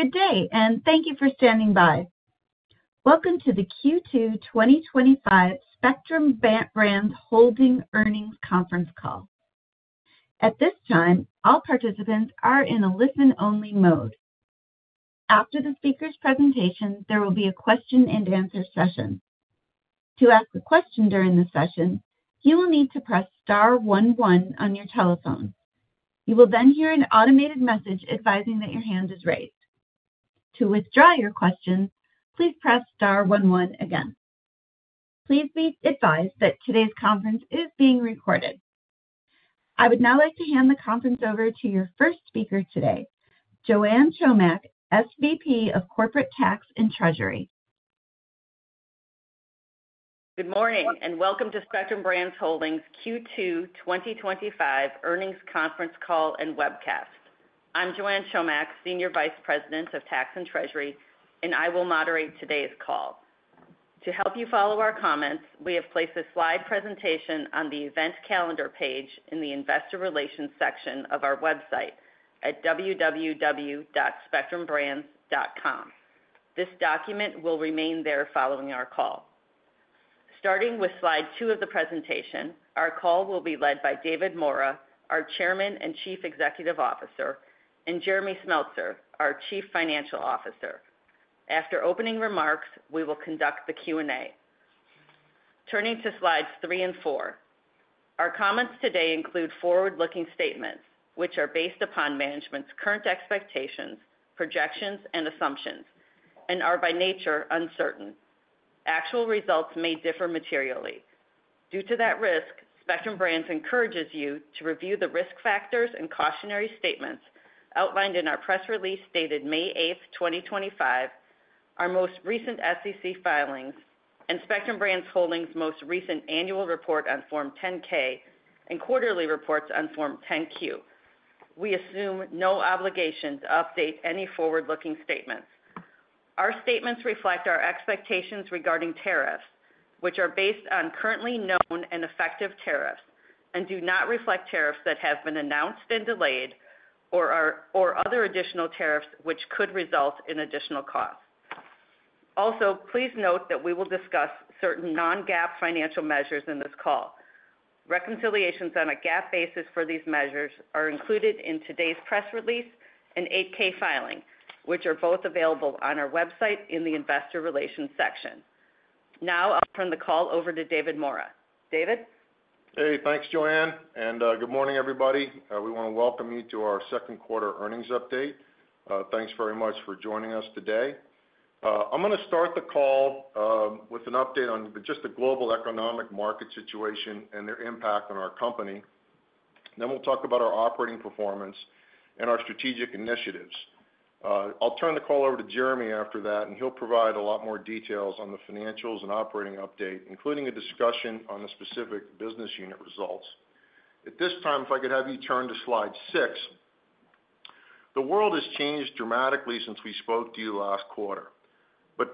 Good day, and thank you for standing by. Welcome to the Q2 2025 Spectrum Brands Holdings earnings conference call. At this time, all participants are in a listen-only mode. After the speaker's presentation, there will be a question-and-answer session. To ask a question during the session, you will need to press star one one on your telephone. You will then hear an automated message advising that your hand is raised. To withdraw your question, please press star one one again. Please be advised that today's conference is being recorded. I would now like to hand the conference over to your first speaker today, Joanne Chomiak, SVP of Tax and Treasury. Good morning, and welcome to Spectrum Brands Holdings' Q2 2025 earnings conference call and webcast. I'm Joanne Chomiak, Senior Vice President of Tax and Treasury, and I will moderate today's call. To help you follow our comments, we have placed a slide presentation on the event calendar page in the investor relations section of our website at www.spectrumbrands.com. This document will remain there following our call. Starting with slide two of the presentation, our call will be led by David Maura, our Chairman and Chief Executive Officer, and Jeremy Smeltser, our Chief Financial Officer. After opening remarks, we will conduct the Q&A. Turning to slides three and four, our comments today include forward-looking statements, which are based upon management's current expectations, projections, and assumptions, and are by nature uncertain. Actual results may differ materially. Due to that risk, Spectrum Brands encourages you to review the risk factors and cautionary statements outlined in our press release dated May 8, 2025, our most recent SEC filings, and Spectrum Brands Holdings' most recent annual report on Form 10-K and quarterly reports on Form 10-Q. We assume no obligation to update any forward-looking statements. Our statements reflect our expectations regarding tariffs, which are based on currently known and effective tariffs, and do not reflect tariffs that have been announced and delayed, or other additional tariffs which could result in additional costs. Also, please note that we will discuss certain non-GAAP financial measures in this call. Reconciliations on a GAAP basis for these measures are included in today's press release and 8-K filing, which are both available on our website in the investor relations section. Now, I'll turn the call over to David Maura. David? Hey, thanks, Joanne. Good morning, everybody. We want to welcome you to our second quarter earnings update. Thanks very much for joining us today. I'm going to start the call with an update on just the global economic market situation and their impact on our company. We will talk about our operating performance and our strategic initiatives. I'll turn the call over to Jeremy after that, and he'll provide a lot more details on the financials and operating update, including a discussion on the specific business unit results. At this time, if I could have you turn to slide six. The world has changed dramatically since we spoke to you last quarter.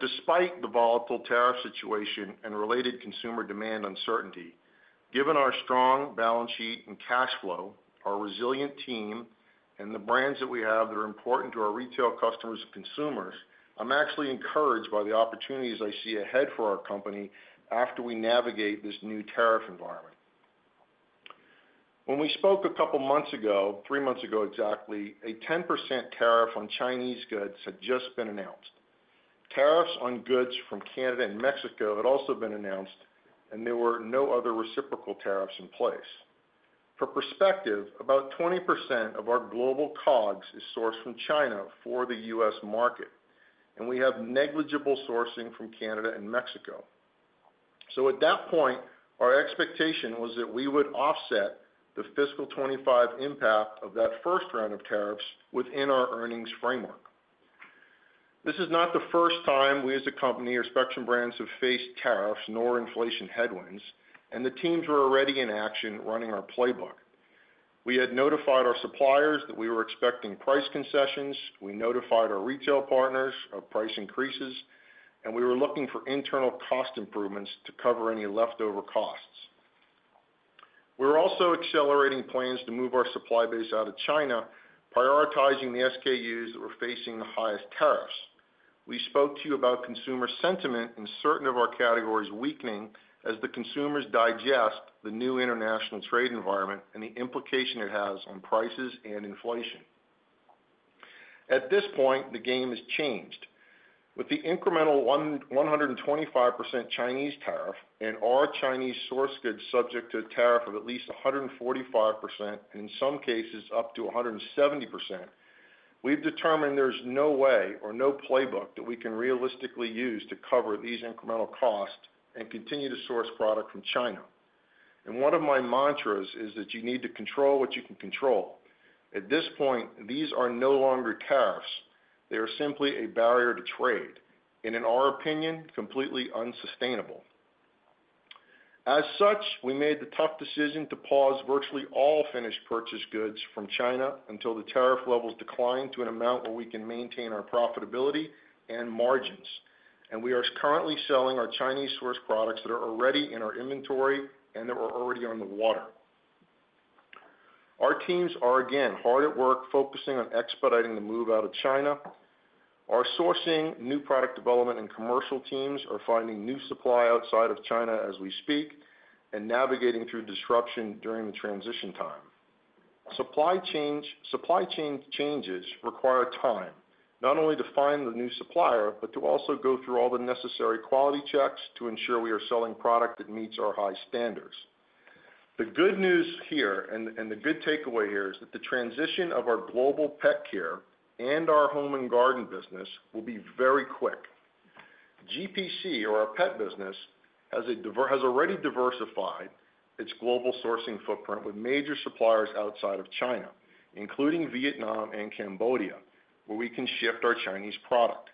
Despite the volatile tariff situation and related consumer demand uncertainty, given our strong balance sheet and cash flow, our resilient team, and the brands that we have that are important to our retail customers and consumers, I'm actually encouraged by the opportunities I see ahead for our company after we navigate this new tariff environment. When we spoke a couple of months ago, three months ago exactly, a 10% tariff on Chinese goods had just been announced. Tariffs on goods from Canada and Mexico had also been announced, and there were no other reciprocal tariffs in place. For perspective, about 20% of our global COGS is sourced from China for the U.S. market, and we have negligible sourcing from Canada and Mexico. At that point, our expectation was that we would offset the fiscal 2025 impact of that first round of tariffs within our earnings framework. This is not the first time we as a company or Spectrum Brands have faced tariffs nor inflation headwinds, and the teams were already in action running our playbook. We had notified our suppliers that we were expecting price concessions. We notified our retail partners of price increases, and we were looking for internal cost improvements to cover any leftover costs. We were also accelerating plans to move our supply base out of China, prioritizing the SKUs that were facing the highest tariffs. We spoke to you about consumer sentiment in certain of our categories weakening as the consumers digest the new international trade environment and the implication it has on prices and inflation. At this point, the game has changed. With the incremental 125% Chinese tariff and our Chinese source goods subject to a tariff of at least 145%, and in some cases up to 170%, we've determined there's no way or no playbook that we can realistically use to cover these incremental costs and continue to source product from China. One of my mantras is that you need to control what you can control. At this point, these are no longer tariffs. They are simply a barrier to trade, and in our opinion, completely unsustainable. As such, we made the tough decision to pause virtually all finished purchase goods from China until the tariff levels decline to an amount where we can maintain our profitability and margins. We are currently selling our Chinese source products that are already in our inventory and that were already on the water. Our teams are again hard at work focusing on expediting the move out of China. Our sourcing, new product development, and commercial teams are finding new supply outside of China as we speak and navigating through disruption during the transition time. Supply chain changes require time, not only to find the new supplier, but to also go through all the necessary quality checks to ensure we are selling product that meets our high standards. The good news here and the good takeaway here is that the transition of our global pet care and our Home & Garden business will be very quick. GPC, or our pet business, has already diversified its global sourcing footprint with major suppliers outside of China, including Vietnam and Cambodia, where we can shift our Chinese product.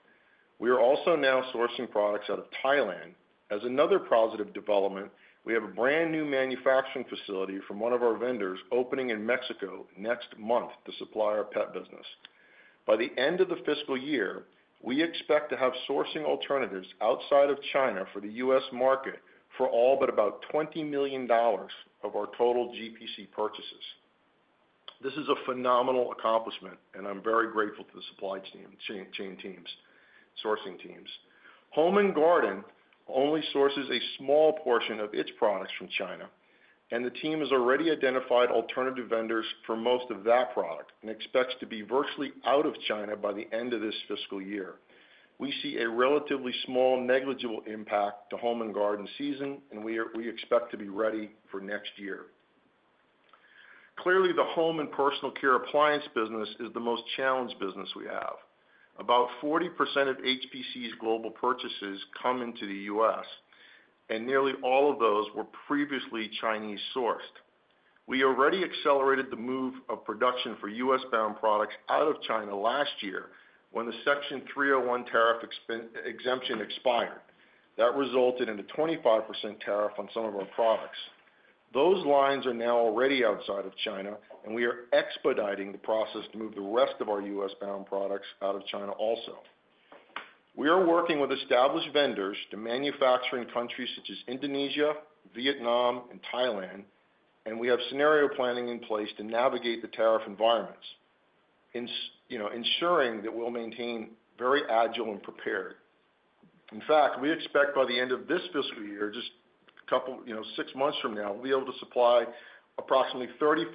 We are also now sourcing products out of Thailand. As another positive development, we have a brand new manufacturing facility from one of our vendors opening in Mexico next month to supply our pet business. By the end of the fiscal year, we expect to have sourcing alternatives outside of China for the U.S. market for all but about $20 million of our total GPC purchases. This is a phenomenal accomplishment, and I'm very grateful to the supply chain teams, sourcing teams. Home & Garden only sources a small portion of its products from China, and the team has already identified alternative vendors for most of that product and expects to be virtually out of China by the end of this fiscal year. We see a relatively small negligible impact to Home & Garden season, and we expect to be ready for next year. Clearly, the Home & Personal Care appliance business is the most challenged business we have. About 40% of HPC's global purchases come into the U.S., and nearly all of those were previously Chinese sourced. We already accelerated the move of production for U.S.-bound products out of China last year when the Section 301 tariff exemption expired. That resulted in a 25% tariff on some of our products. Those lines are now already outside of China, and we are expediting the process to move the rest of our U.S.-bound products out of China also. We are working with established vendors to manufacturing countries such as Indonesia, Vietnam, and Thailand, and we have scenario planning in place to navigate the tariff environments, ensuring that we'll maintain very agile and prepared. In fact, we expect by the end of this fiscal year, just a couple, you know, six months from now, we'll be able to supply approximately 35%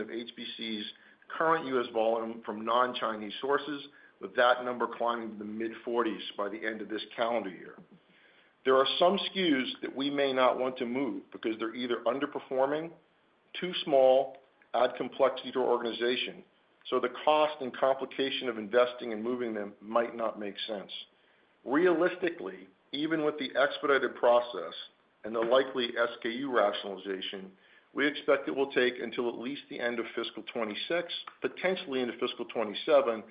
of HPC's current U.S. Volume from non-Chinese sources, with that number climbing to the mid-40s by the end of this calendar year. There are some SKUs that we may not want to move because they're either underperforming, too small, add complexity to our organization, so the cost and complication of investing and moving them might not make sense. Realistically, even with the expedited process and the likely SKU rationalization, we expect it will take until at least the end of fiscal 2026, potentially into fiscal 2027,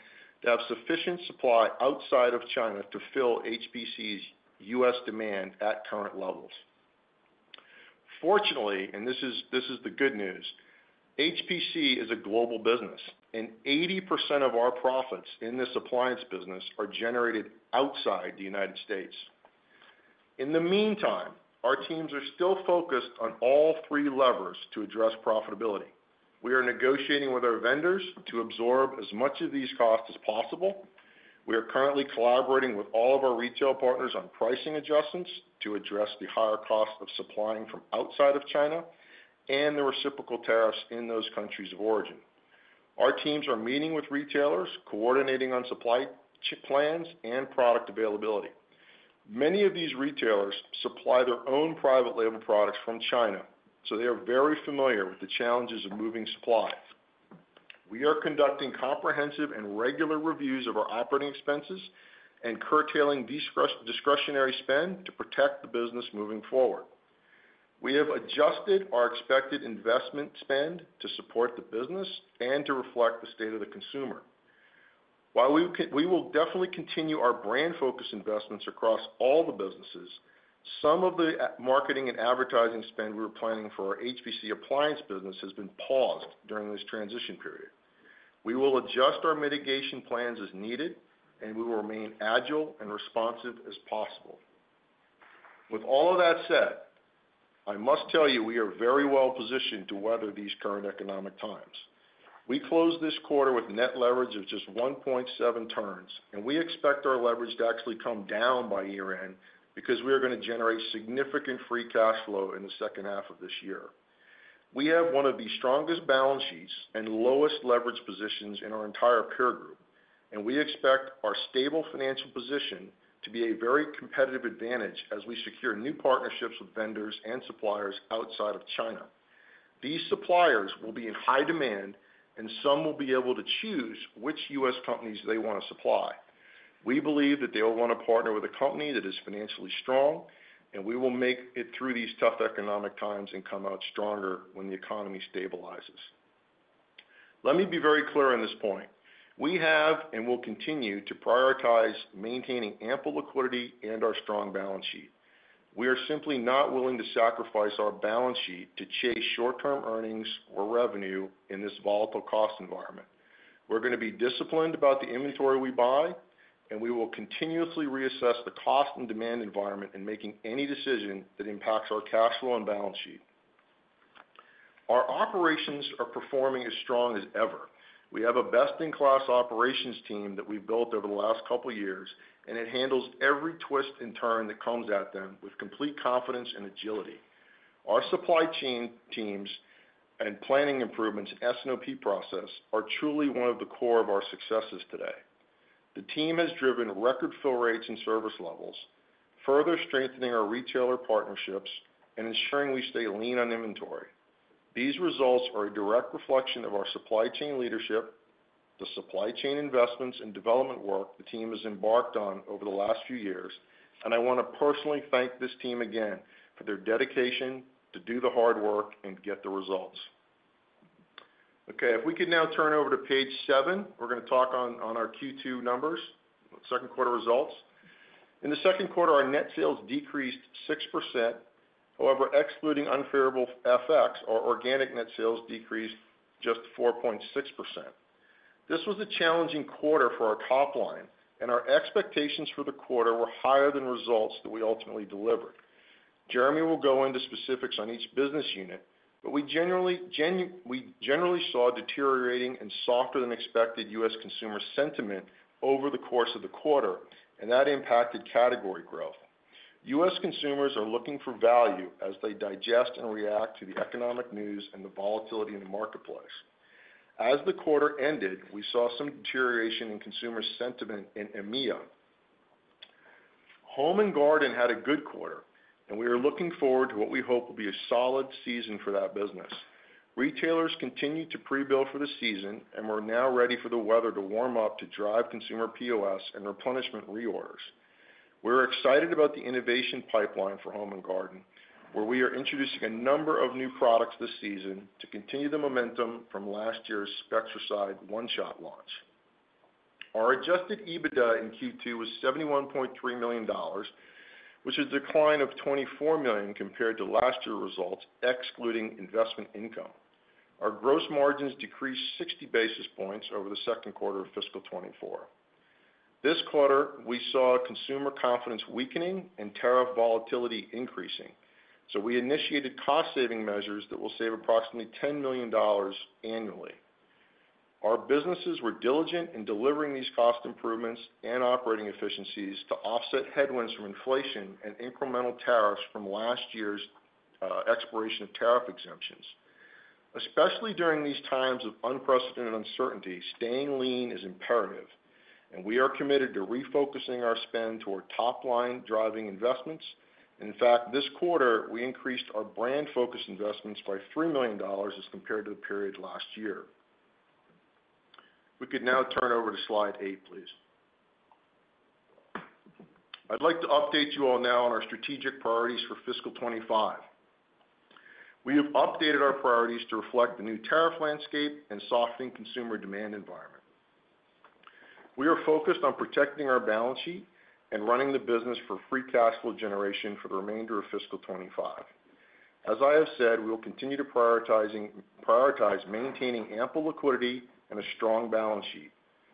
to have sufficient supply outside of China to fill HPC's U.S. demand at current levels. Fortunately, and this is the good news, HPC is a global business, and 80% of our profits in this appliance business are generated outside the United States. In the meantime, our teams are still focused on all three levers to address profitability. We are negotiating with our vendors to absorb as much of these costs as possible. We are currently collaborating with all of our retail partners on pricing adjustments to address the higher cost of supplying from outside of China and the reciprocal tariffs in those countries of origin. Our teams are meeting with retailers, coordinating on supply plans and product availability. Many of these retailers supply their own private label products from China, so they are very familiar with the challenges of moving supply. We are conducting comprehensive and regular reviews of our operating expenses and curtailing discretionary spend to protect the business moving forward. We have adjusted our expected investment spend to support the business and to reflect the state of the consumer. While we will definitely continue our brand-focused investments across all the businesses, some of the marketing and advertising spend we were planning for our HPC appliance business has been paused during this transition period. We will adjust our mitigation plans as needed, and we will remain as agile and responsive as possible. With all of that said, I must tell you we are very well positioned to weather these current economic times. We closed this quarter with net leverage of just 1.7 turns, and we expect our leverage to actually come down by year-end because we are going to generate significant free cash flow in the second half of this year. We have one of the strongest balance sheets and lowest leverage positions in our entire peer group, and we expect our stable financial position to be a very competitive advantage as we secure new partnerships with vendors and suppliers outside of China. These suppliers will be in high demand, and some will be able to choose which U.S. companies they want to supply. We believe that they will want to partner with a company that is financially strong, and we will make it through these tough economic times and come out stronger when the economy stabilizes. Let me be very clear on this point. We have and will continue to prioritize maintaining ample liquidity and our strong balance sheet. We are simply not willing to sacrifice our balance sheet to chase short-term earnings or revenue in this volatile cost environment. We're going to be disciplined about the inventory we buy, and we will continuously reassess the cost and demand environment in making any decision that impacts our cash flow and balance sheet. Our operations are performing as strong as ever. We have a best-in-class operations team that we've built over the last couple of years, and it handles every twist and turn that comes at them with complete confidence and agility. Our supply chain teams and planning improvements and S&OP process are truly one of the core of our successes today. The team has driven record fill rates and service levels, further strengthening our retailer partnerships and ensuring we stay lean on inventory. These results are a direct reflection of our supply chain leadership, the supply chain investments and development work the team has embarked on over the last few years, and I want to personally thank this team again for their dedication to do the hard work and get the results. Okay, if we could now turn over to page seven, we're going to talk on our Q2 numbers, second quarter results. In the second quarter, our net sales decreased 6%. However, excluding unfavorable FX, our organic net sales decreased just 4.6%. This was a challenging quarter for our top line, and our expectations for the quarter were higher than results that we ultimately delivered. Jeremy will go into specifics on each business unit, but we generally saw deteriorating and softer than expected U.S. consumer sentiment over the course of the quarter, and that impacted category growth. U.S. Consumers are looking for value as they digest and react to the economic news and the volatility in the marketplace. As the quarter ended, we saw some deterioration in consumer sentiment in EMEA. Home & Garden had a good quarter, and we are looking forward to what we hope will be a solid season for that business. Retailers continue to pre-build for the season, and we're now ready for the weather to warm up to drive consumer POS and replenishment reorders. We're excited about the innovation pipeline for Home & Garden, where we are introducing a number of new products this season to continue the momentum from last year's SpectraSide OneShot launch. Our Adjusted EBITDA in Q2 was $71.3 million, which is a decline of $24 million compared to last year's results, excluding investment income. Our gross margins decreased 60 basis points over the second quarter of fiscal 2024. This quarter, we saw consumer confidence weakening and tariff volatility increasing, so we initiated cost-saving measures that will save approximately $10 million annually. Our businesses were diligent in delivering these cost improvements and operating efficiencies to offset headwinds from inflation and incremental tariffs from last year's expiration of tariff exemptions. Especially during these times of unprecedented uncertainty, staying lean is imperative, and we are committed to refocusing our spend toward top-line driving investments. In fact, this quarter, we increased our brand-focused investments by $3 million as compared to the period last year. We could now turn over to slide eight, please. I'd like to update you all now on our strategic priorities for fiscal 2025. We have updated our priorities to reflect the new tariff landscape and softening consumer demand environment. We are focused on protecting our balance sheet and running the business for free cash flow generation for the remainder of fiscal 2025. As I have said, we will continue to prioritize maintaining ample liquidity and a strong balance sheet.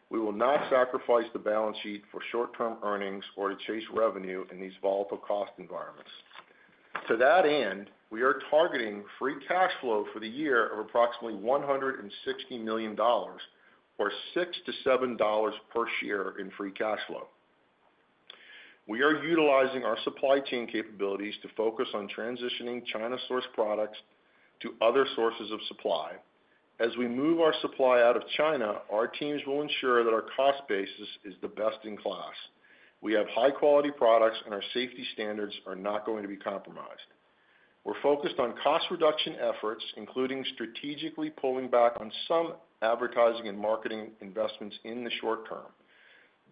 We will not sacrifice the balance sheet for short-term earnings or to chase revenue in these volatile cost environments. To that end, we are targeting free cash flow for the year of approximately $160 million, or $6-$7 per share in free cash flow. We are utilizing our supply chain capabilities to focus on transitioning China-sourced products to other sources of supply. As we move our supply out of China, our teams will ensure that our cost basis is the best in class. We have high-quality products, and our safety standards are not going to be compromised. We're focused on cost reduction efforts, including strategically pulling back on some advertising and marketing investments in the short-term.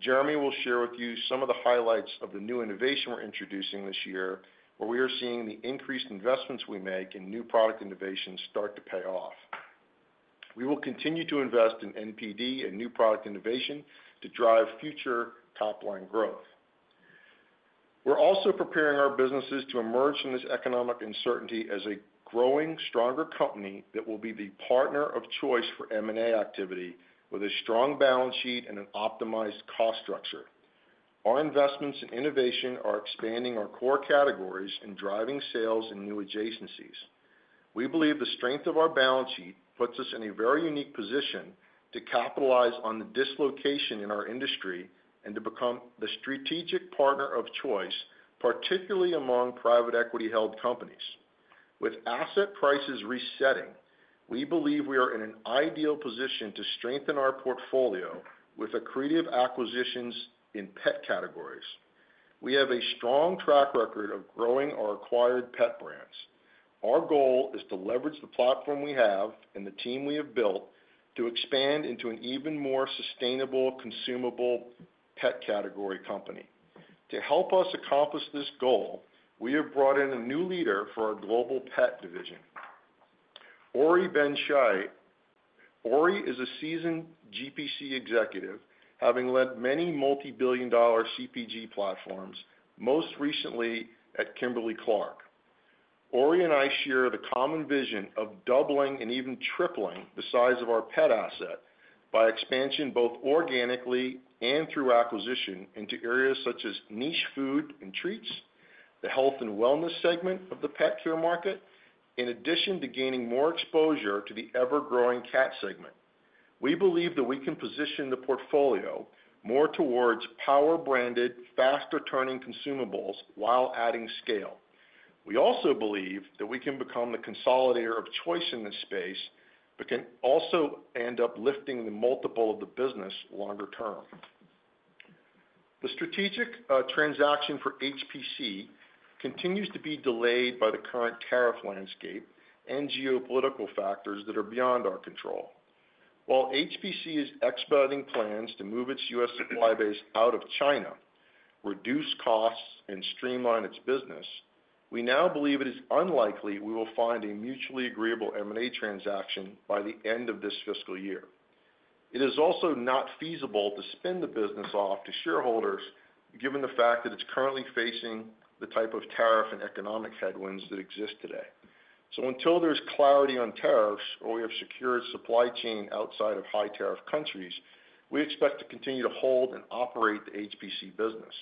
Jeremy will share with you some of the highlights of the new innovation we're introducing this year, where we are seeing the increased investments we make in new product innovations start to pay off. We will continue to invest in NPD and new product innovation to drive future top-line growth. We're also preparing our businesses to emerge from this economic uncertainty as a growing, stronger company that will be the partner of choice for M&A activity with a strong balance sheet and an optimized cost structure. Our investments in innovation are expanding our core categories and driving sales and new adjacencies. We believe the strength of our balance sheet puts us in a very unique position to capitalize on the dislocation in our industry and to become the strategic partner of choice, particularly among private equity-held companies. With asset prices resetting, we believe we are in an ideal position to strengthen our portfolio with accretive acquisitions in pet categories. We have a strong track record of growing our acquired pet brands. Our goal is to leverage the platform we have and the team we have built to expand into an even more sustainable consumable pet category company. To help us accomplish this goal, we have brought in a new leader for our global pet division, Ori Ben Shite. Ori is a seasoned GPC executive, having led many multi-billion dollar CPG platforms, most recently at Kimberly-Clark. Ori and I share the common vision of doubling and even tripling the size of our pet asset by expansion both organically and through acquisition into areas such as niche food and treats, the health and wellness segment of the pet care market, in addition to gaining more exposure to the ever-growing cat segment. We believe that we can position the portfolio more towards power-branded, faster-turning consumables while adding scale. We also believe that we can become the consolidator of choice in this space, but can also end up lifting the multiple of the business longer term. The strategic transaction for HPC continues to be delayed by the current tariff landscape and geopolitical factors that are beyond our control. While HPC is expediting plans to move its U.S. Supply base out of China, reduce costs, and streamline its business, we now believe it is unlikely we will find a mutually agreeable M&A transaction by the end of this fiscal year. It is also not feasible to spin the business off to shareholders given the fact that it's currently facing the type of tariff and economic headwinds that exist today. Until there is clarity on tariffs or we have secured supply chain outside of high-tariff countries, we expect to continue to hold and operate the HPC business.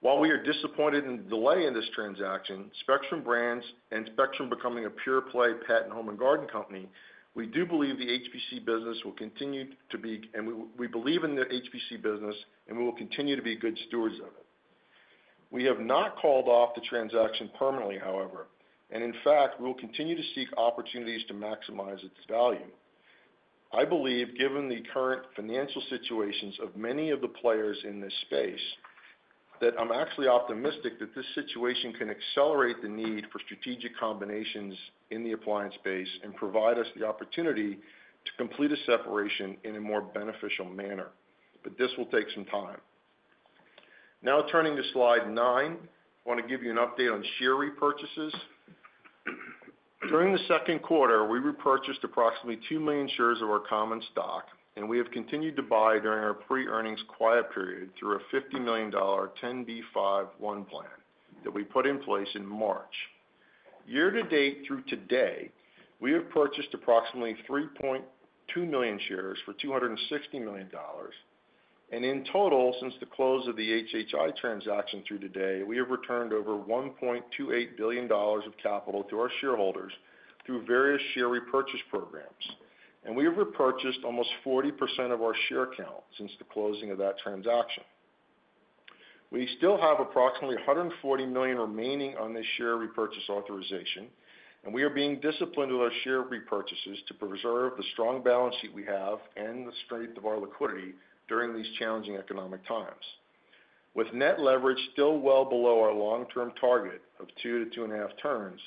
While we are disappointed in the delay in this transaction, Spectrum Brands and Spectrum becoming a pure-play pet and Home & Garden company, we do believe the HPC business will continue to be, and we believe in the HPC business, and we will continue to be good stewards of it. We have not called off the transaction permanently, however, and in fact, we will continue to seek opportunities to maximize its value. I believe, given the current financial situations of many of the players in this space, that I'm actually optimistic that this situation can accelerate the need for strategic combinations in the appliance space and provide us the opportunity to complete a separation in a more beneficial manner, but this will take some time. Now turning to slide nine, I want to give you an update on share repurchases. During the second quarter, we repurchased approximately 2 million shares of our common stock, and we have continued to buy during our pre-earnings quiet period through a $50 million 10b5-1 plan that we put in place in March. Year-to-date through today, we have purchased approximately 3.2 million shares for $260 million, and in total, since the close of the HHI transaction through today, we have returned over $1.28 billion of capital to our shareholders through various share repurchase programs, and we have repurchased almost 40% of our share count since the closing of that transaction. We still have approximately $140 million remaining on this share repurchase authorization, and we are being disciplined with our share repurchases to preserve the strong balance sheet we have and the strength of our liquidity during these challenging economic times. With net leverage still well below our long-term target of 2-2.5 turns,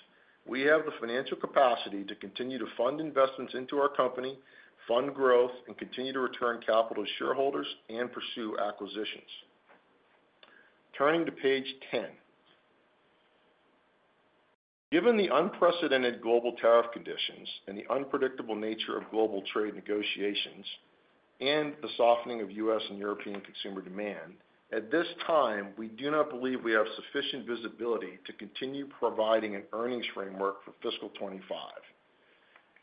we have the financial capacity to continue to fund investments into our company, fund growth, and continue to return capital to shareholders and pursue acquisitions. Turning to page 10. Given the unprecedented global tariff conditions and the unpredictable nature of global trade negotiations and the softening of U.S. and European consumer demand, at this time, we do not believe we have sufficient visibility to continue providing an earnings framework for fiscal 2025.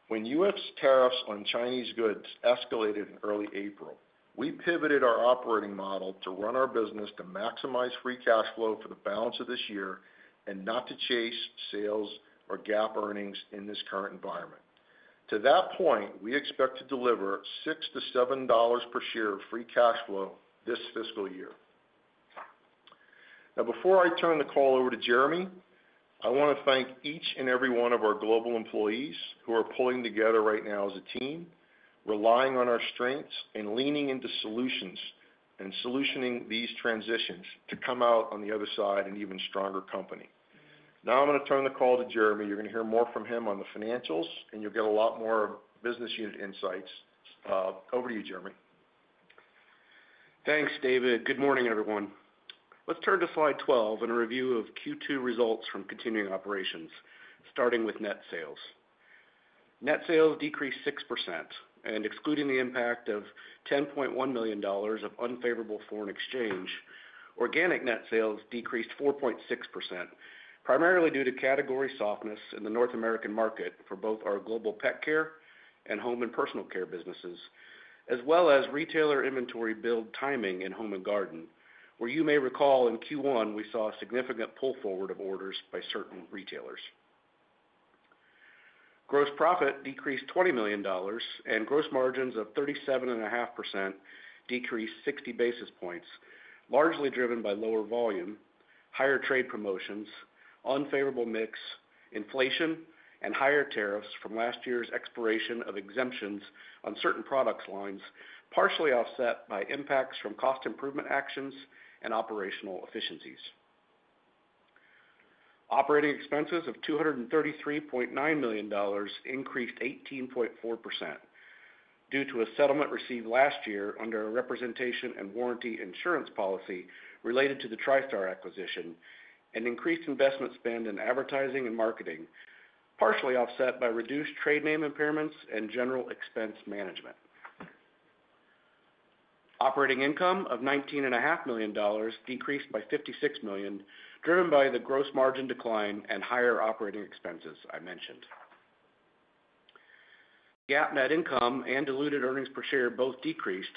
When U.S. tariffs on Chinese goods escalated in early April, we pivoted our operating model to run our business to maximize free cash flow for the balance of this year and not to chase sales or gap earnings in this current environment. To that point, we expect to deliver $6-$7 per share of free cash flow this fiscal year. Now, before I turn the call over to Jeremy, I want to thank each and every one of our global employees who are pulling together right now as a team, relying on our strengths and leaning into solutions and solutioning these transitions to come out on the other side an even stronger company. Now I'm going to turn the call to Jeremy. You're going to hear more from him on the financials, and you'll get a lot more business unit insights. Over to you, Jeremy. Thanks, David. Good morning, everyone. Let's turn to slide 12 and a review of Q2 results from continuing operations, starting with net sales. Net sales decreased 6%, and excluding the impact of $10.1 million of unfavorable foreign exchange, organic net sales decreased 4.6%, primarily due to category softness in the North American market for both our global pet care and Home & Personal Care businesses, as well as retailer inventory build timing in Home & Garden, where you may recall in Q1 we saw a significant pull forward of orders by certain retailers. Gross profit decreased $20 million, and gross margins of 37.5% decreased 60 basis points, largely driven by lower volume, higher trade promotions, unfavorable mix, inflation, and higher tariffs from last year's expiration of exemptions on certain product lines, partially offset by impacts from cost improvement actions and operational efficiencies. Operating expenses of $233.9 million increased 18.4% due to a settlement received last year under a representation and warranty insurance policy related to the Tristar acquisition, and increased investment spend in advertising and marketing, partially offset by reduced trade name impairments and general expense management. Operating income of $19.5 million decreased by $56 million, driven by the gross margin decline and higher operating expenses I mentioned. GAAP net income and diluted earnings per share both decreased,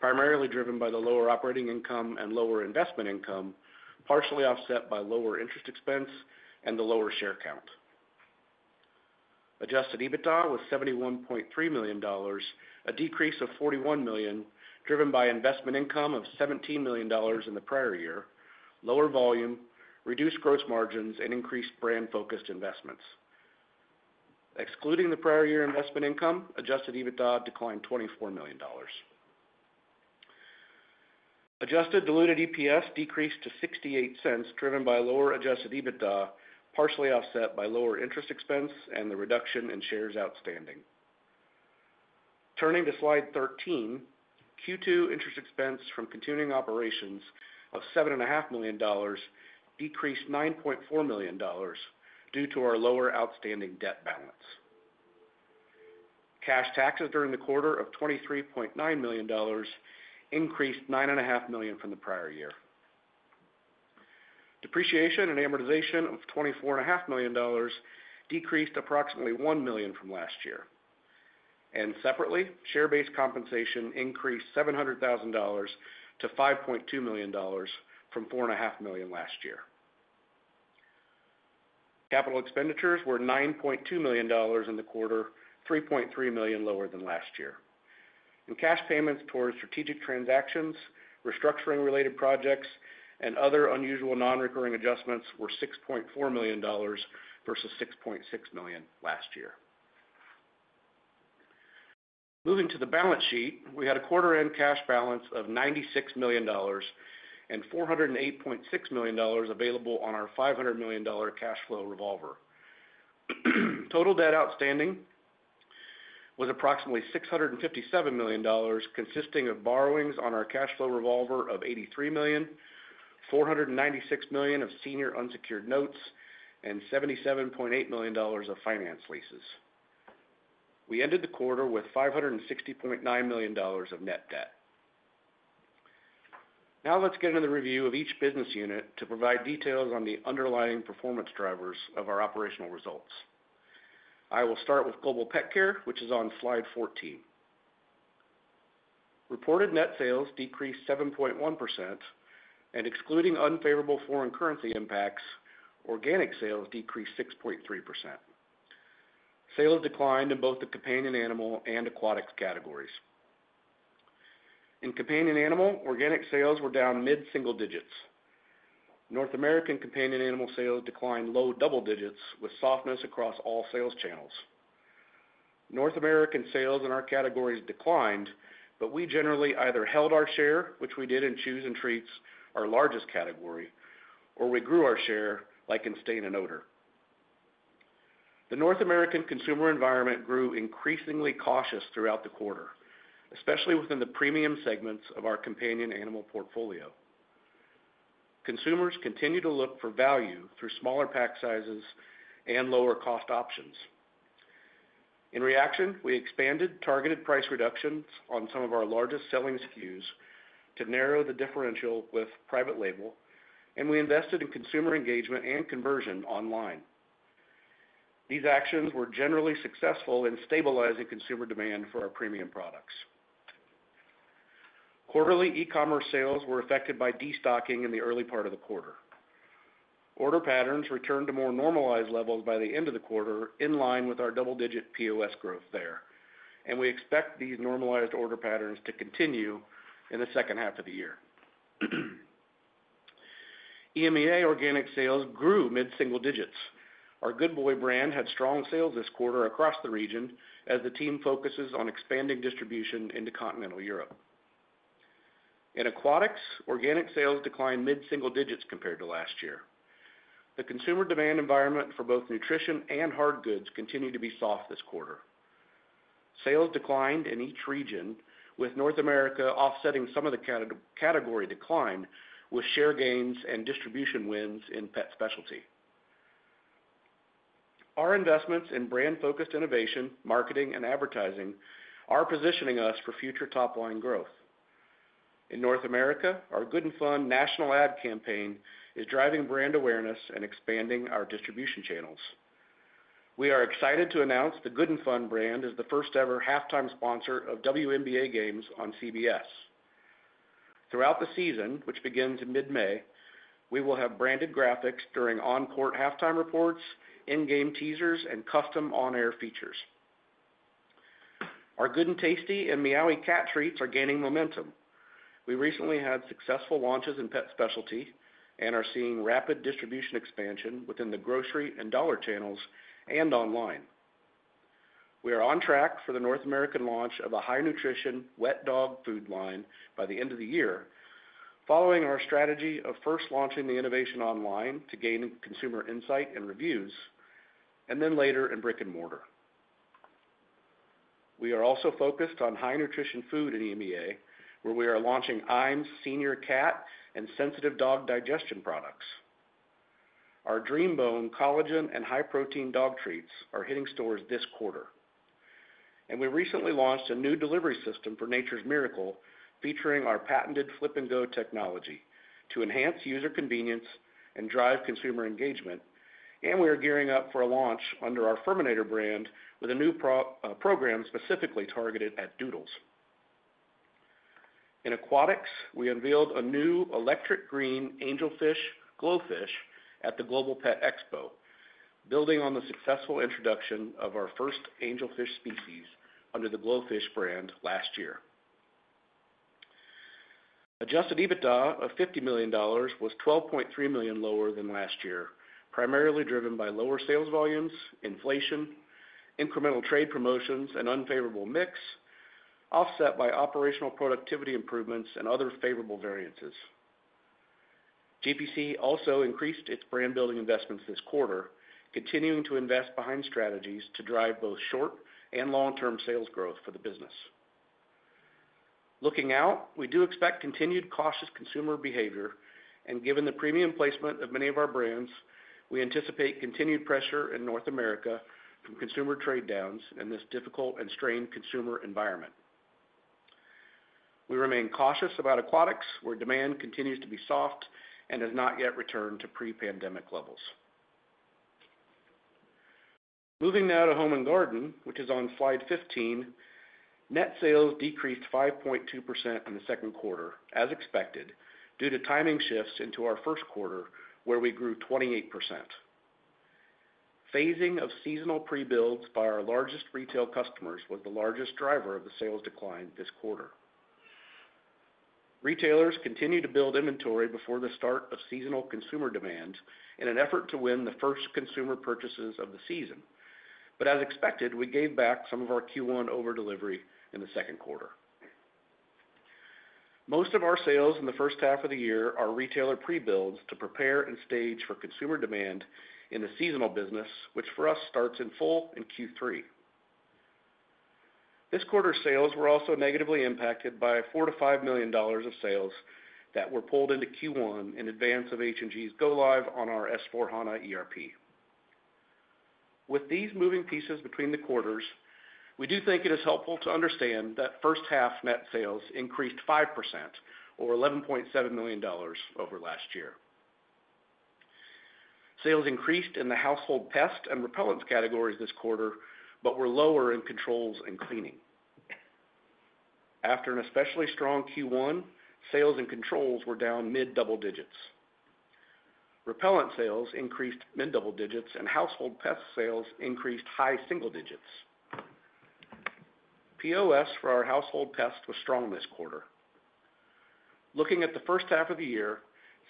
primarily driven by the lower operating income and lower investment income, partially offset by lower interest expense and the lower share count. Adjusted EBITDA was $71.3 million, a decrease of $41 million, driven by investment income of $17 million in the prior year, lower volume, reduced gross margins, and increased brand-focused investments. Excluding the prior year investment income, Adjusted EBITDA declined $24 million. Adjusted diluted EPS decreased to $0.68, driven by lower Adjusted EBITDA, partially offset by lower interest expense and the reduction in shares outstanding. Turning to slide 13, Q2 interest expense from continuing operations of $7.5 million decreased $9.4 million due to our lower outstanding debt balance. Cash taxes during the quarter of $23.9 million increased $9.5 million from the prior year. Depreciation and amortization of $24.5 million decreased approximately $1 million from last year. Separately, share-based compensation increased $700,000 to $5.2 million from $4.5 million last year. Capital expenditures were $9.2 million in the quarter, $3.3 million lower than last year. In cash payments towards strategic transactions, restructuring-related projects, and other unusual non-recurring adjustments, were $6.4 million versus $6.6 million last year. Moving to the balance sheet, we had a quarter-end cash balance of $96 million and $408.6 million available on our $500 million cash flow revolver. Total debt outstanding was approximately $657 million, consisting of borrowings on our cash flow revolver of $83 million, $496 million of senior unsecured notes, and $77.8 million of finance leases. We ended the quarter with $560.9 million of net debt. Now let's get into the review of each business unit to provide details on the underlying performance drivers of our operational results. I will start with Global Pet Care, which is on slide 14. Reported net sales decreased 7.1%, and excluding unfavorable foreign currency impacts, organic sales decreased 6.3%. Sales declined in both the companion animal and aquatics categories. In companion animal, organic sales were down mid-single digits. North American companion animal sales declined low double digits with softness across all sales channels. North American sales in our categories declined, but we generally either held our share, which we did in chews and treats, our largest category, or we grew our share like in stain and odor. The North American consumer environment grew increasingly cautious throughout the quarter, especially within the premium segments of our companion animal portfolio. Consumers continue to look for value through smaller pack sizes and lower cost options. In reaction, we expanded targeted price reductions on some of our largest selling SKUs to narrow the differential with private label, and we invested in consumer engagement and conversion online. These actions were generally successful in stabilizing consumer demand for our premium products. Quarterly e-commerce sales were affected by destocking in the early part of the quarter. Order patterns returned to more normalized levels by the end of the quarter, in line with our double-digit POS growth there, and we expect these normalized order patterns to continue in the second half of the year. EMEA organic sales grew mid-single digits. Our Good Boy brand had strong sales this quarter across the region as the team focuses on expanding distribution into continental Europe. In aquatics, organic sales declined mid-single digits compared to last year. The consumer demand environment for both nutrition and hard goods continued to be soft this quarter. Sales declined in each region, with North America offsetting some of the category decline with share gains and distribution wins in pet specialty. Our investments in brand-focused innovation, marketing, and advertising are positioning us for future top-line growth. In North America, our Good & Fun national ad campaign is driving brand awareness and expanding our distribution channels. We are excited to announce the Good & Fun brand as the first-ever halftime sponsor of WNBA games on CBS. Throughout the season, which begins in mid-May, we will have branded graphics during on-court halftime reports, in-game teasers, and custom on-air features. Our Good & Fun tasty and Meowee cat treats are gaining momentum. We recently had successful launches in pet specialty and are seeing rapid distribution expansion within the grocery and dollar channels and online. We are on track for the North American launch of a high-nutrition wet dog food line by the end of the year, following our strategy of first launching the innovation online to gain consumer insight and reviews, and then later in brick and mortar. We are also focused on high-nutrition food in EMEA, where we are launching IAMS senior cat and sensitive dog digestion products. Our Dream Bone collagen and high-protein dog treats are hitting stores this quarter. We recently launched a new delivery system for Nature's Miracle, featuring our patented flip-and-go technology to enhance user convenience and drive consumer engagement, and we are gearing up for a launch under our Ferminator brand with a new program specifically targeted at doodles. In aquatics, we unveiled a new electric green angelfish, Glowfish, at the Global Pet Expo, building on the successful introduction of our first angelfish species under the Glowfish brand last year. Adjusted EBITDA of $50 million was $12.3 million lower than last year, primarily driven by lower sales volumes, inflation, incremental trade promotions, and unfavorable mix, offset by operational productivity improvements and other favorable variances. GPC also increased its brand-building investments this quarter, continuing to invest behind strategies to drive both short and long-term sales growth for the business. Looking out, we do expect continued cautious consumer behavior, and given the premium placement of many of our brands, we anticipate continued pressure in North America from consumer trade downs in this difficult and strained consumer environment. We remain cautious about aquatics, where demand continues to be soft and has not yet returned to pre-pandemic levels. Moving now to Home & Garden, which is on slide 15, net sales decreased 5.2% in the second quarter, as expected, due to timing shifts into our first quarter, where we grew 28%. Phasing of seasonal pre-builds by our largest retail customers was the largest driver of the sales decline this quarter. Retailers continue to build inventory before the start of seasonal consumer demand in an effort to win the first consumer purchases of the season, but as expected, we gave back some of our Q1 overdelivery in the second quarter. Most of our sales in the first half of the year are retailer pre-builds to prepare and stage for consumer demand in the seasonal business, which for us starts in full in Q3. This quarter's sales were also negatively impacted by $4-$5 million of sales that were pulled into Q1 in advance of H&G's go-live on our S/4HANA ERP. With these moving pieces between the quarters, we do think it is helpful to understand that first-half net sales increased 5%, or $11.7 million over last year. Sales increased in the household pest and repellents categories this quarter, but were lower in controls and cleaning. After an especially strong Q1, sales in controls were down mid-double digits. Repellent sales increased mid-double digits, and household pest sales increased high single digits. POS for our household pest was strong this quarter. Looking at the first half of the year,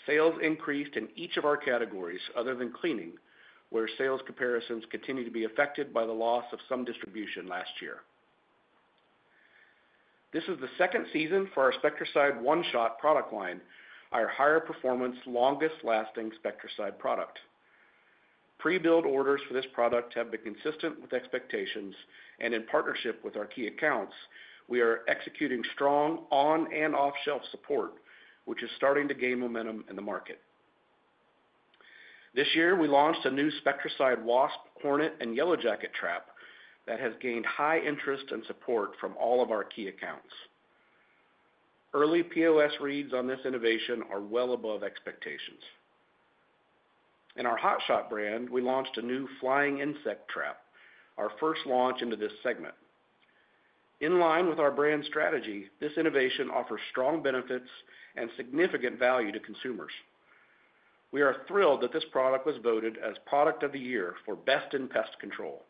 sales increased in each of our categories other than cleaning, where sales comparisons continue to be affected by the loss of some distribution last year. This is the second season for our SpectraSide OneShot product line, our higher-performance, longest-lasting SpectraSide product. Pre-build orders for this product have been consistent with expectations, and in partnership with our key accounts, we are executing strong on- and off-shelf support, which is starting to gain momentum in the market. This year, we launched a new SpectraSide Wasp, Hornet, and Yellow Jacket trap that has gained high interest and support from all of our key accounts. Early POS reads on this innovation are well above expectations. In our HotShot brand, we launched a new flying insect trap, our first launch into this segment. In line with our brand strategy, this innovation offers strong benefits and significant value to consumers. We are thrilled that this product was voted as Product of the Year for best in pest control.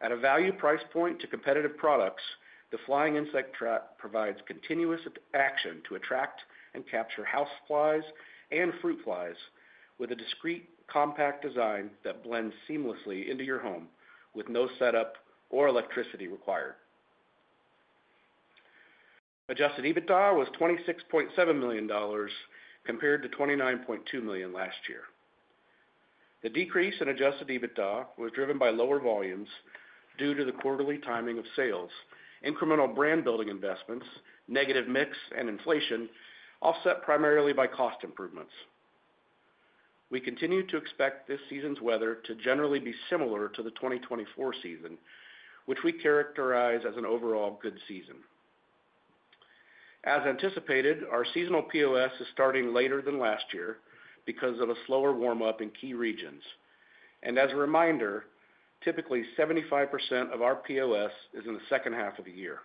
At a value price point to competitive products, the flying insect trap provides continuous action to attract and capture house flies and fruit flies with a discreet, compact design that blends seamlessly into your home with no setup or electricity required. Adjusted EBITDA was $26.7 million compared to $29.2 million last year. The decrease in Adjusted EBITDA was driven by lower volumes due to the quarterly timing of sales, incremental brand-building investments, negative mix, and inflation, offset primarily by cost improvements. We continue to expect this season's weather to generally be similar to the 2024 season, which we characterize as an overall good season. As anticipated, our seasonal POS is starting later than last year because of a slower warm-up in key regions. As a reminder, typically 75% of our POS is in the second half of the year.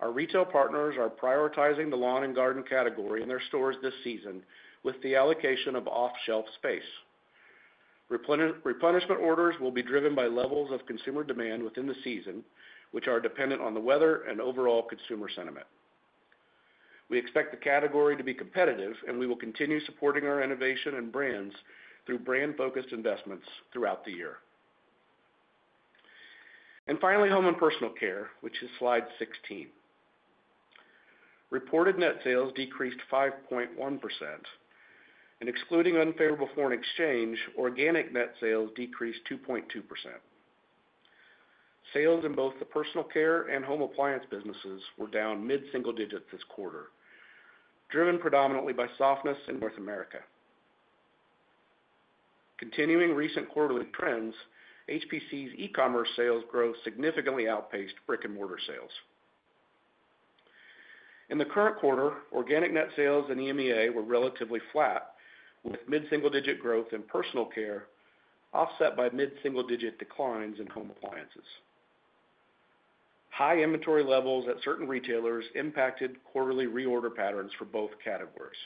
Our retail partners are prioritizing the lawn and garden category in their stores this season with the allocation of off-shelf space. Replenishment orders will be driven by levels of consumer demand within the season, which are dependent on the weather and overall consumer sentiment. We expect the category to be competitive, and we will continue supporting our innovation and brands through brand-focused investments throughout the year. Finally, Home & Personal Care, which is slide 16. Reported net sales decreased 5.1%. Excluding unfavorable foreign exchange, organic net sales decreased 2.2%. Sales in both the personal care and home appliance businesses were down mid-single digits this quarter, driven predominantly by softness in North America. Continuing recent quarterly trends, HPC's e-commerce sales growth significantly outpaced brick and mortar sales. In the current quarter, organic net sales in EMEA were relatively flat, with mid-single digit growth in personal care offset by mid-single digit declines in home appliances. High inventory levels at certain retailers impacted quarterly reorder patterns for both categories.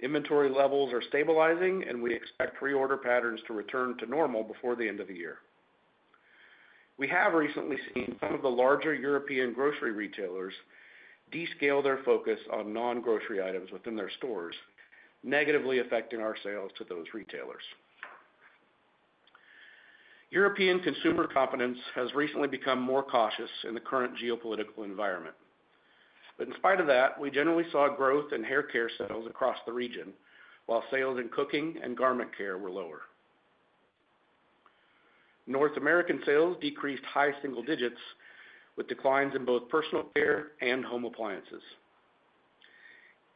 Inventory levels are stabilizing, and we expect reorder patterns to return to normal before the end of the year. We have recently seen some of the larger European grocery retailers descale their focus on non-grocery items within their stores, negatively affecting our sales to those retailers. European consumer confidence has recently become more cautious in the current geopolitical environment. In spite of that, we generally saw growth in hair care sales across the region, while sales in cooking and garment care were lower. North American sales decreased high single digits with declines in both personal care and home appliances.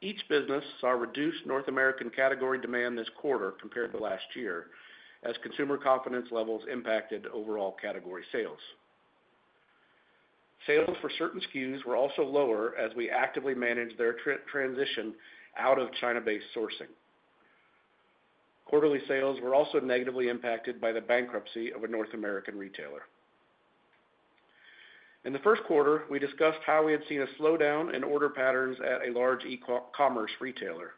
Each business saw reduced North American category demand this quarter compared to last year, as consumer confidence levels impacted overall category sales. Sales for certain SKUs were also lower as we actively managed their transition out of China-based sourcing. Quarterly sales were also negatively impacted by the bankruptcy of a North American retailer. In the first quarter, we discussed how we had seen a slowdown in order patterns at a large e-commerce retailer.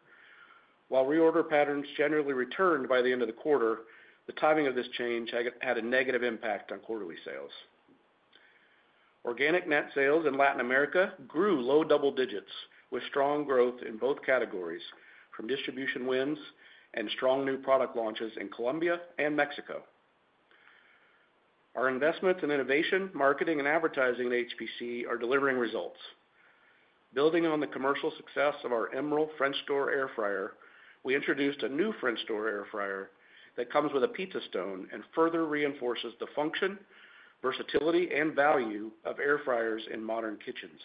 While reorder patterns generally returned by the end of the quarter, the timing of this change had a negative impact on quarterly sales. Organic net sales in Latin America grew low double digits, with strong growth in both categories from distribution wins and strong new product launches in Colombia and Mexico. Our investments in innovation, marketing, and advertising at HPC are delivering results. Building on the commercial success of our Emeril French Door Air Fryer, we introduced a new French Door Air Fryer that comes with a pizza stone and further reinforces the function, versatility, and value of air fryers in modern kitchens.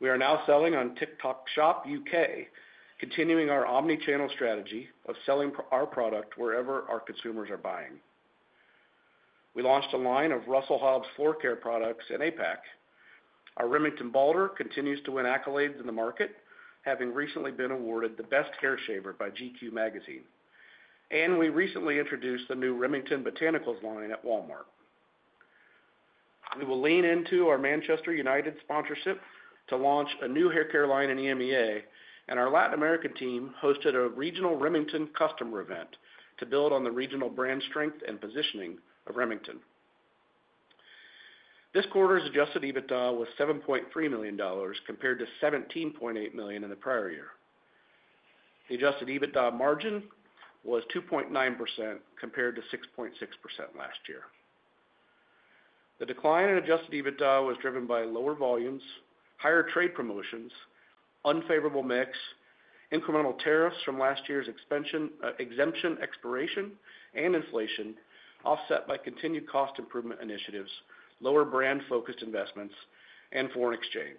We are now selling on TikTok Shop U.K., continuing our omnichannel strategy of selling our product wherever our consumers are buying. We launched a line of Russell Hobbs floor care products in APAC. Our Remington Balder continues to win accolades in the market, having recently been awarded the best hair shaver by GQ Magazine. We recently introduced the new Remington Botanicals line at Walmart. We will lean into our Manchester United sponsorship to launch a new hair care line in EMEA, and our Latin American team hosted a regional Remington customer event to build on the regional brand strength and positioning of Remington. This quarter's Adjusted EBITDA was $7.3 million compared to $17.8 million in the prior year. The Adjusted EBITDA margin was 2.9% compared to 6.6% last year. The decline in Adjusted EBITDA was driven by lower volumes, higher trade promotions, unfavorable mix, incremental tariffs from last year's exemption expiration, and inflation, offset by continued cost improvement initiatives, lower brand-focused investments, and foreign exchange.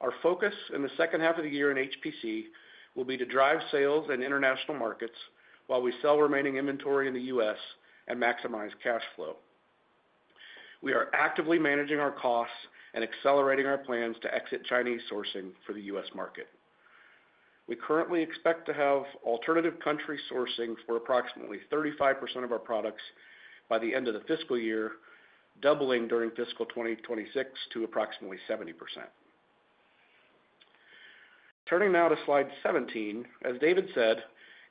Our focus in the second half of the year in HPC will be to drive sales in international markets while we sell remaining inventory in the U.S. and maximize cash flow. We are actively managing our costs and accelerating our plans to exit Chinese sourcing for the U.S. market. We currently expect to have alternative country sourcing for approximately 35% of our products by the end of the fiscal year, doubling during fiscal 2026 to approximately 70%. Turning now to slide 17, as David said,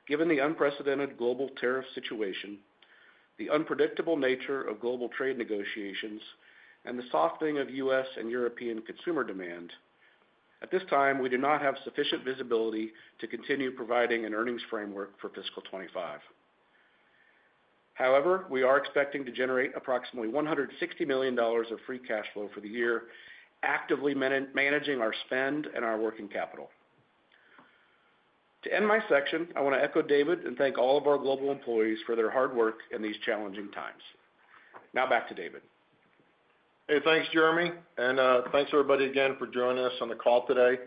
given the unprecedented global tariff situation, the unpredictable nature of global trade negotiations, and the softening of U.S. and European consumer demand, at this time, we do not have sufficient visibility to continue providing an earnings framework for fiscal 2025. However, we are expecting to generate approximately $160 million of free cash flow for the year, actively managing our spend and our working capital. To end my section, I want to echo David and thank all of our global employees for their hard work in these challenging times. Now back to David. Hey, Thanks, Jeremy. And thanks everybody again for joining us on the call today.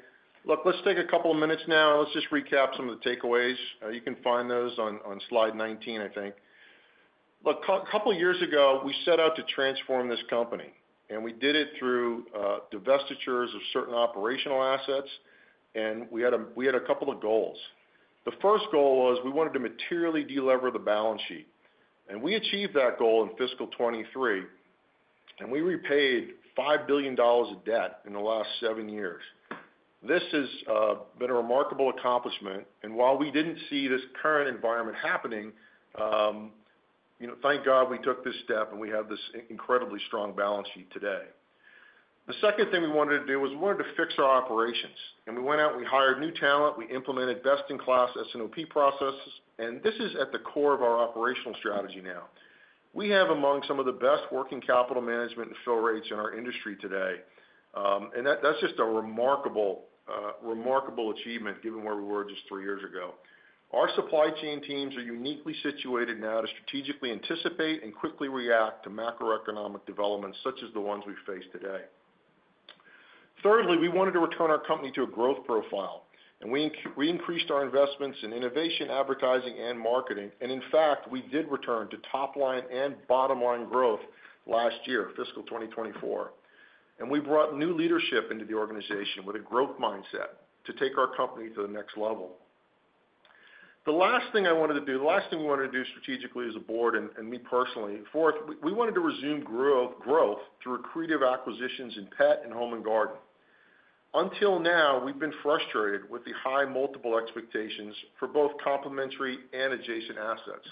Look, let's take a couple of minutes now, and let's just recap some of the takeaways. You can find those on slide 19, I think. Look, a couple of years ago, we set out to transform this company, and we did it through divestitures of certain operational assets, and we had a couple of goals. The first goal was we wanted to materially deleverage the balance sheet. We achieved that goal in fiscal 2023, and we repaid $5 billion of debt in the last seven years. This has been a remarkable accomplishment. While we did not see this current environment happening, thank God we took this step, and we have this incredibly strong balance sheet today. The second thing we wanted to do was we wanted to fix our operations. We went out and we hired new talent. We implemented best-in-class S&OP processes. This is at the core of our operational strategy now. We have among some of the best working capital management and fill rates in our industry today. That is just a remarkable achievement given where we were just three years ago. Our supply chain teams are uniquely situated now to strategically anticipate and quickly react to macroeconomic developments such as the ones we face today. Thirdly, we wanted to return our company to a growth profile. We increased our investments in innovation, advertising, and marketing. In fact, we did return to top-line and bottom-line growth last year, fiscal 2024. We brought new leadership into the organization with a growth mindset to take our company to the next level. The last thing I wanted to do, the last thing we wanted to do strategically as a board and me personally, fourth, we wanted to resume growth through creative acquisitions in pet and Home & Garden. Until now, we've been frustrated with the high multiple expectations for both complementary and adjacent assets.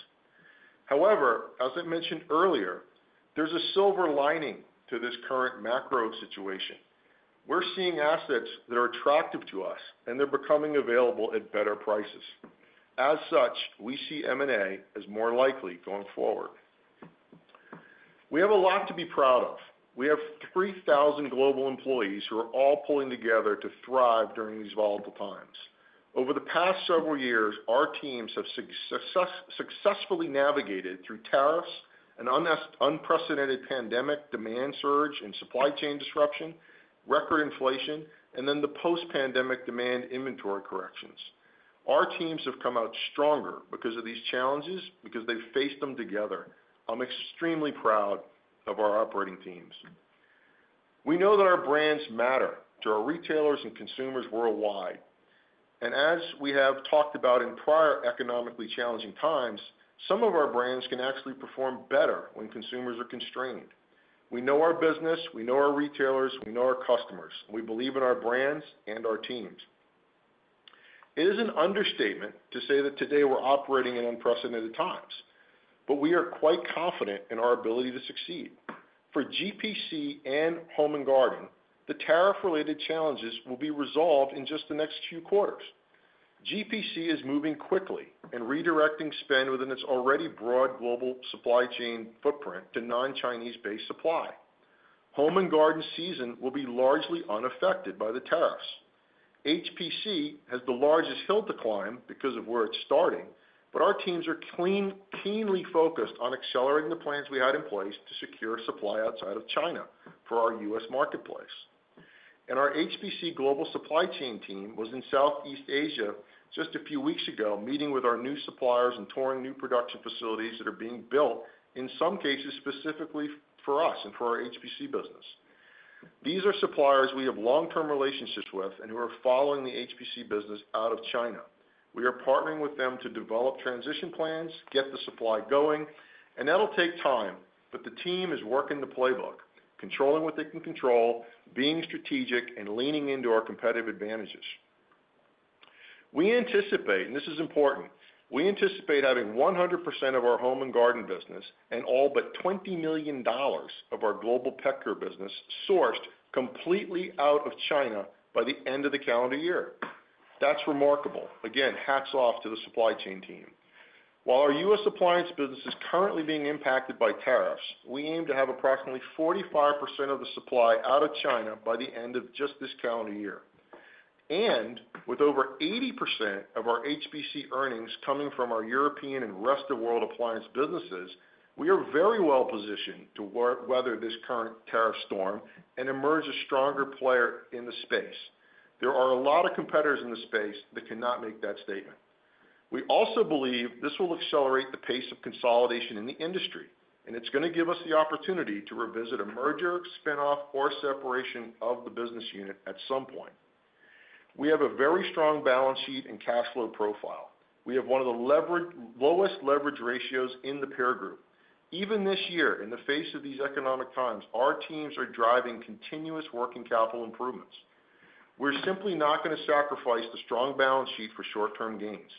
However, as I mentioned earlier, there's a silver lining to this current macro situation. We're seeing assets that are attractive to us, and they're becoming available at better prices. As such, we see M&A as more likely going forward. We have a lot to be proud of. We have 3,000 global employees who are all pulling together to thrive during these volatile times. Over the past several years, our teams have successfully navigated through tariffs, an unprecedented pandemic, demand surge, and supply chain disruption, record inflation, and then the post-pandemic demand inventory corrections. Our teams have come out stronger because of these challenges, because they've faced them together. I'm extremely proud of our operating teams. We know that our brands matter to our retailers and consumers worldwide. As we have talked about in prior economically challenging times, some of our brands can actually perform better when consumers are constrained. We know our business. We know our retailers. We know our customers. We believe in our brands and our teams. It is an understatement to say that today we're operating in unprecedented times, but we are quite confident in our ability to succeed. For GPC and Home & Garden, the tariff-related challenges will be resolved in just the next few quarters. GPC is moving quickly and redirecting spend within its already broad global supply chain footprint to non-Chinese-based supply. Home & Garden season will be largely unaffected by the tariffs. HPC has the largest hill to climb because of where it's starting, but our teams are keenly focused on accelerating the plans we had in place to secure supply outside of China for our U.S. marketplace. Our HPC global supply chain team was in Southeast Asia just a few weeks ago, meeting with our new suppliers and touring new production facilities that are being built, in some cases, specifically for us and for our HPC business. These are suppliers we have long-term relationships with and who are following the HPC business out of China. We are partnering with them to develop transition plans, get the supply going, and that'll take time, but the team is working the playbook, controlling what they can control, being strategic, and leaning into our competitive advantages. We anticipate, and this is important, we anticipate having 100% of our Home & Garden business and all but $20 million of our Global Pet Care business sourced completely out of China by the end of the calendar year. That's remarkable. Again, hats off to the supply chain team. While our U.S. appliance business is currently being impacted by tariffs, we aim to have approximately 45% of the supply out of China by the end of just this calendar year. With over 80% of our HPC earnings coming from our European and rest of world appliance businesses, we are very well positioned to weather this current tariff storm and emerge a stronger player in the space. There are a lot of competitors in the space that cannot make that statement. We also believe this will accelerate the pace of consolidation in the industry, and it's going to give us the opportunity to revisit a merger, spinoff, or separation of the business unit at some point. We have a very strong balance sheet and cash flow profile. We have one of the lowest leverage ratios in the peer group. Even this year, in the face of these economic times, our teams are driving continuous working capital improvements. We're simply not going to sacrifice the strong balance sheet for short-term gains.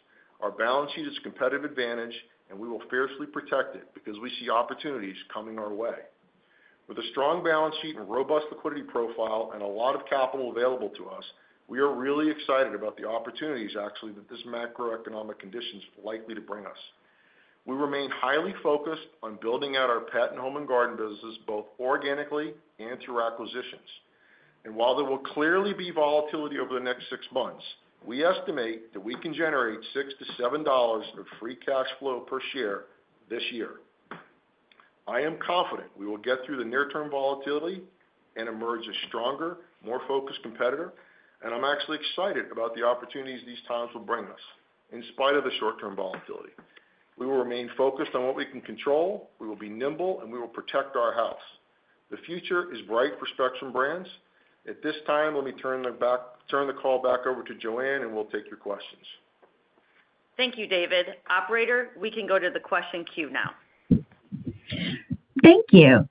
Our balance sheet is a competitive advantage, and we will fiercely protect it because we see opportunities coming our way. With a strong balance sheet and robust liquidity profile and a lot of capital available to us, we are really excited about the opportunities, actually, that this macroeconomic condition is likely to bring us. We remain highly focused on building out our pet and Home & Garden businesses, both organically and through acquisitions. While there will clearly be volatility over the next six months, we estimate that we can generate $6-$7 of free cash flow per share this year. I am confident we will get through the near-term volatility and emerge a stronger, more focused competitor, and I'm actually excited about the opportunities these times will bring us in spite of the short-term volatility. We will remain focused on what we can control. We will be nimble, and we will protect our house. The future is bright for Spectrum Brands. At this time, let me turn the call back over to Joanne, and we'll take your questions. Thank you, David. Operator, we can go to the question queue now. Thank you.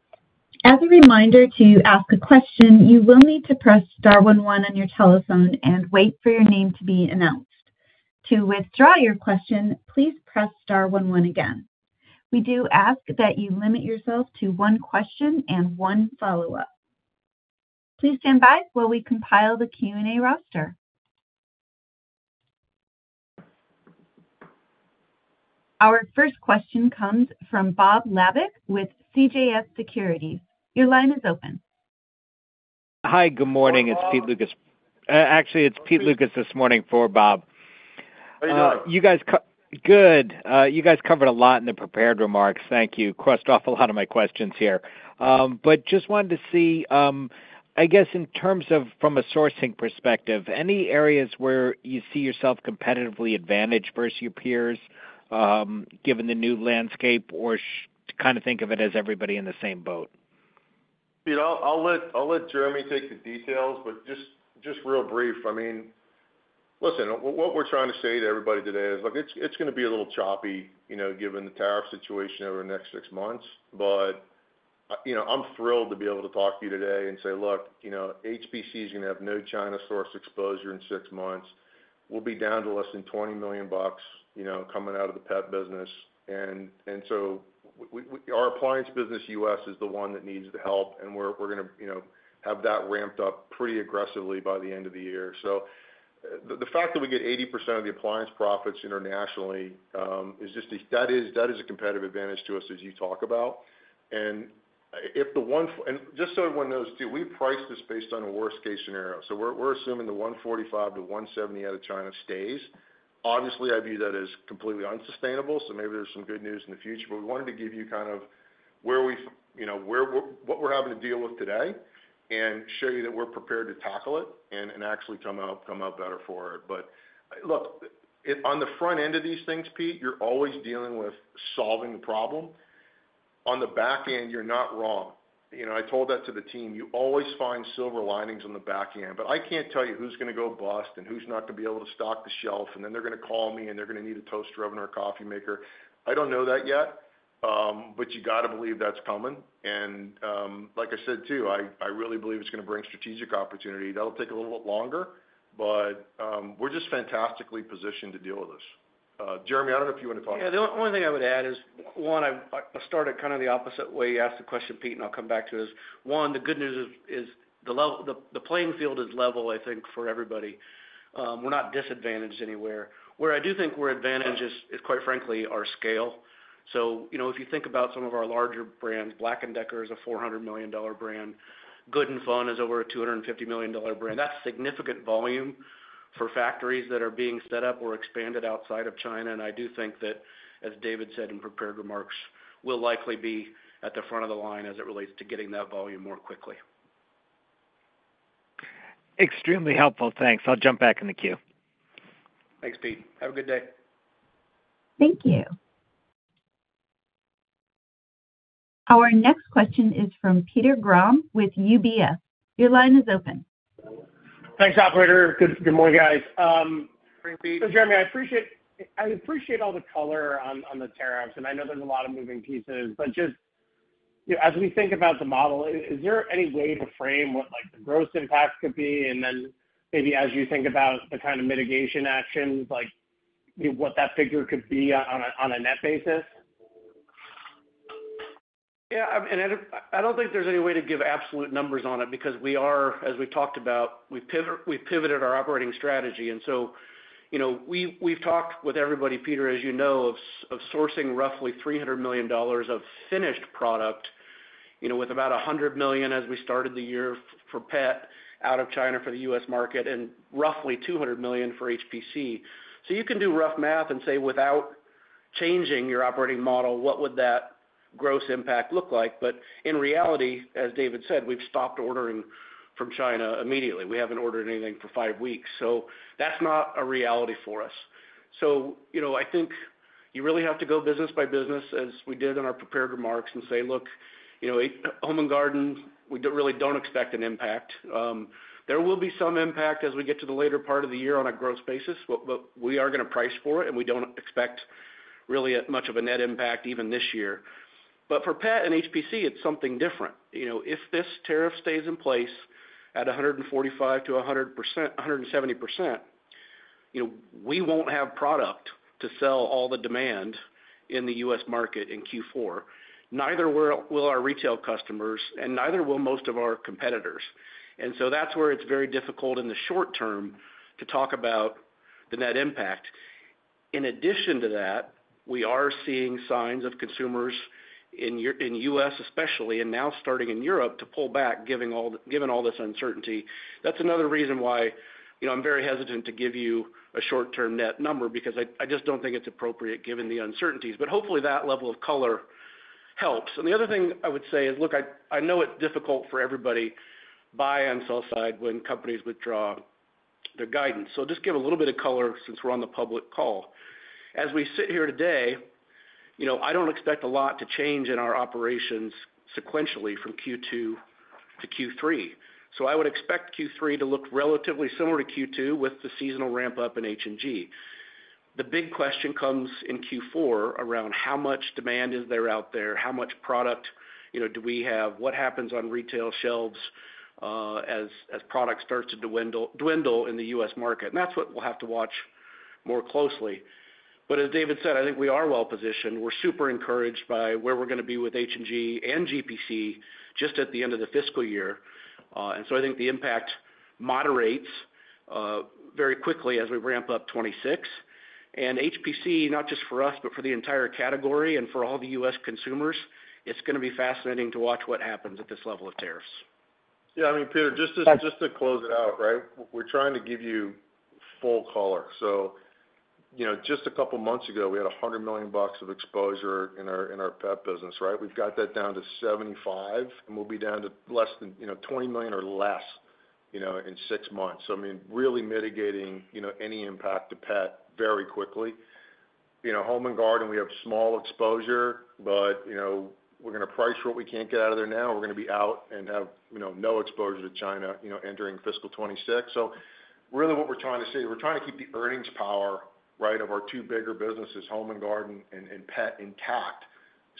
As a reminder to ask a question, you will need to press star one one on your telephone and wait for your name to be announced. To withdraw your question, please press star one one again. We do ask that you limit yourself to one question and one follow-up. Please stand by while we compile the Q&A roster. Our first question comes from Bob Lavic with CJS Securities. Your line is open. Hi, good morning. It's Pete Lucas. Actually, it's Pete Lucas this morning for Bob. You guys covered a lot in the prepared remarks. Thank you. Crossed off a lot of my questions here. Just wanted to see, I guess, in terms of from a sourcing perspective, any areas where you see yourself competitively advantaged versus your peers, given the new landscape, or kind of think of it as everybody in the same boat? I'll let Jeremy take the details, but just real brief. I mean, listen, what we're trying to say to everybody today is it's going to be a little choppy, given the tariff situation over the next six months. I am thrilled to be able to talk to you today and say, "Look, HPC is going to have no China-sourced exposure in six months. We'll be down to less than $20 million coming out of the pet business." Our appliance business U.S. is the one that needs the help, and we're going to have that ramped up pretty aggressively by the end of the year. The fact that we get 80% of the appliance profits internationally is just that is a competitive advantage to us, as you talk about. Just so everyone knows, too, we price this based on a worst-case scenario. We're assuming the $145-$170 out of China stays. Obviously, I view that as completely unsustainable, so maybe there's some good news in the future. We wanted to give you kind of where we what we're having to deal with today and show you that we're prepared to tackle it and actually come out better for it. Look, on the front end of these things, Pete, you're always dealing with solving the problem. On the back end, you're not wrong. I told that to the team. You always find silver linings on the back end. I can't tell you who's going to go bust and who's not going to be able to stock the shelf, and then they're going to call me and they're going to need a toaster oven or a coffee maker. I do not know that yet, but you got to believe that is coming. Like I said, too, I really believe it is going to bring strategic opportunity. That will take a little bit longer, but we are just fantastically positioned to deal with this. Jeremy, I do not know if you want to talk. Yeah, the only thing I would add is, one, I started kind of the opposite way you asked the question, Pete, and I will come back to it. One, the good news is the playing field is level, I think, for everybody. We are not disadvantaged anywhere. Where I do think we are advantaged is, quite frankly, our scale. If you think about some of our larger brands, Black & Decker is a $400 million brand. Good & Fun is over a $250 million brand. That is significant volume for factories that are being set up or expanded outside of China. I do think that, as David said in prepared remarks, we'll likely be at the front of the line as it relates to getting that volume more quickly. Extremely helpful. Thanks. I'll jump back in the queue. Thanks, Pete. Have a good day. Thank you. Our next question is from Peter Grom with UBS. Your line is open. Thanks, Operator. Good morning, guys. Jeremy, I appreciate all the color on the tariffs, and I know there's a lot of moving pieces. Just as we think about the model, is there any way to frame what the gross impact could be? Maybe as you think about the kind of mitigation actions, what that figure could be on a net basis? Yeah. I don't think there's any way to give absolute numbers on it because we are, as we talked about, we've pivoted our operating strategy. We have talked with everybody, Peter, as you know, of sourcing roughly $300 million of finished product with about $100 million as we started the year for pet out of China for the U.S. market and roughly $200 million for HPC. You can do rough math and say, without changing your operating model, what would that gross impact look like? In reality, as David said, we have stopped ordering from China immediately. We have not ordered anything for five weeks. That is not a reality for us. I think you really have to go business by business, as we did in our prepared remarks, and say, "Look, Home & Garden, we really do not expect an impact." There will be some impact as we get to the later part of the year on a gross basis, but we are going to price for it, and we do not expect really much of a net impact even this year. For pet and Home & Personal Care, it is something different. If this tariff stays in place at 145%-170%, we will not have product to sell all the demand in the U.S. market in Q4. Neither will our retail customers, and neither will most of our competitors. That is where it is very difficult in the short-term to talk about the net impact. In addition to that, we are seeing signs of consumers in the U.S., especially, and now starting in Europe to pull back, given all this uncertainty. That is another reason why I'm very hesitant to give you a short-term net number because I just don't think it's appropriate given the uncertainties. Hopefully, that level of color helps. The other thing I would say is, look, I know it's difficult for everybody to buy on sell-side when companies withdraw their guidance. Just to give a little bit of color since we're on the public call, as we sit here today, I don't expect a lot to change in our operations sequentially from Q2 to Q3. I would expect Q3 to look relatively similar to Q2 with the seasonal ramp-up in H&G. The big question comes in Q4 around how much demand is there out there, how much product do we have, what happens on retail shelves as product starts to dwindle in the U.S. market. That is what we will have to watch more closely. As David said, I think we are well-positioned. We are super encouraged by where we are going to be with H&G and GPC just at the end of the fiscal year. I think the impact moderates very quickly as we ramp up 2026. HPC, not just for us, but for the entire category and for all the U.S. consumers, it is going to be fascinating to watch what happens at this level of tariffs. Yeah. I mean, Peter, just to close it out, right? We are trying to give you full color. Just a couple of months ago, we had $100 million of exposure in our pet business, right? We've got that down to $75 million, and we'll be down to less than $20 million or less in six months. I mean, really mitigating any impact to pet very quickly. Home & Garden, we have small exposure, but we're going to price for what we can't get out of there now. We're going to be out and have no exposure to China entering fiscal 2026. Really what we're trying to see, we're trying to keep the earnings power, right, of our two bigger businesses, Home & Garden and pet, intact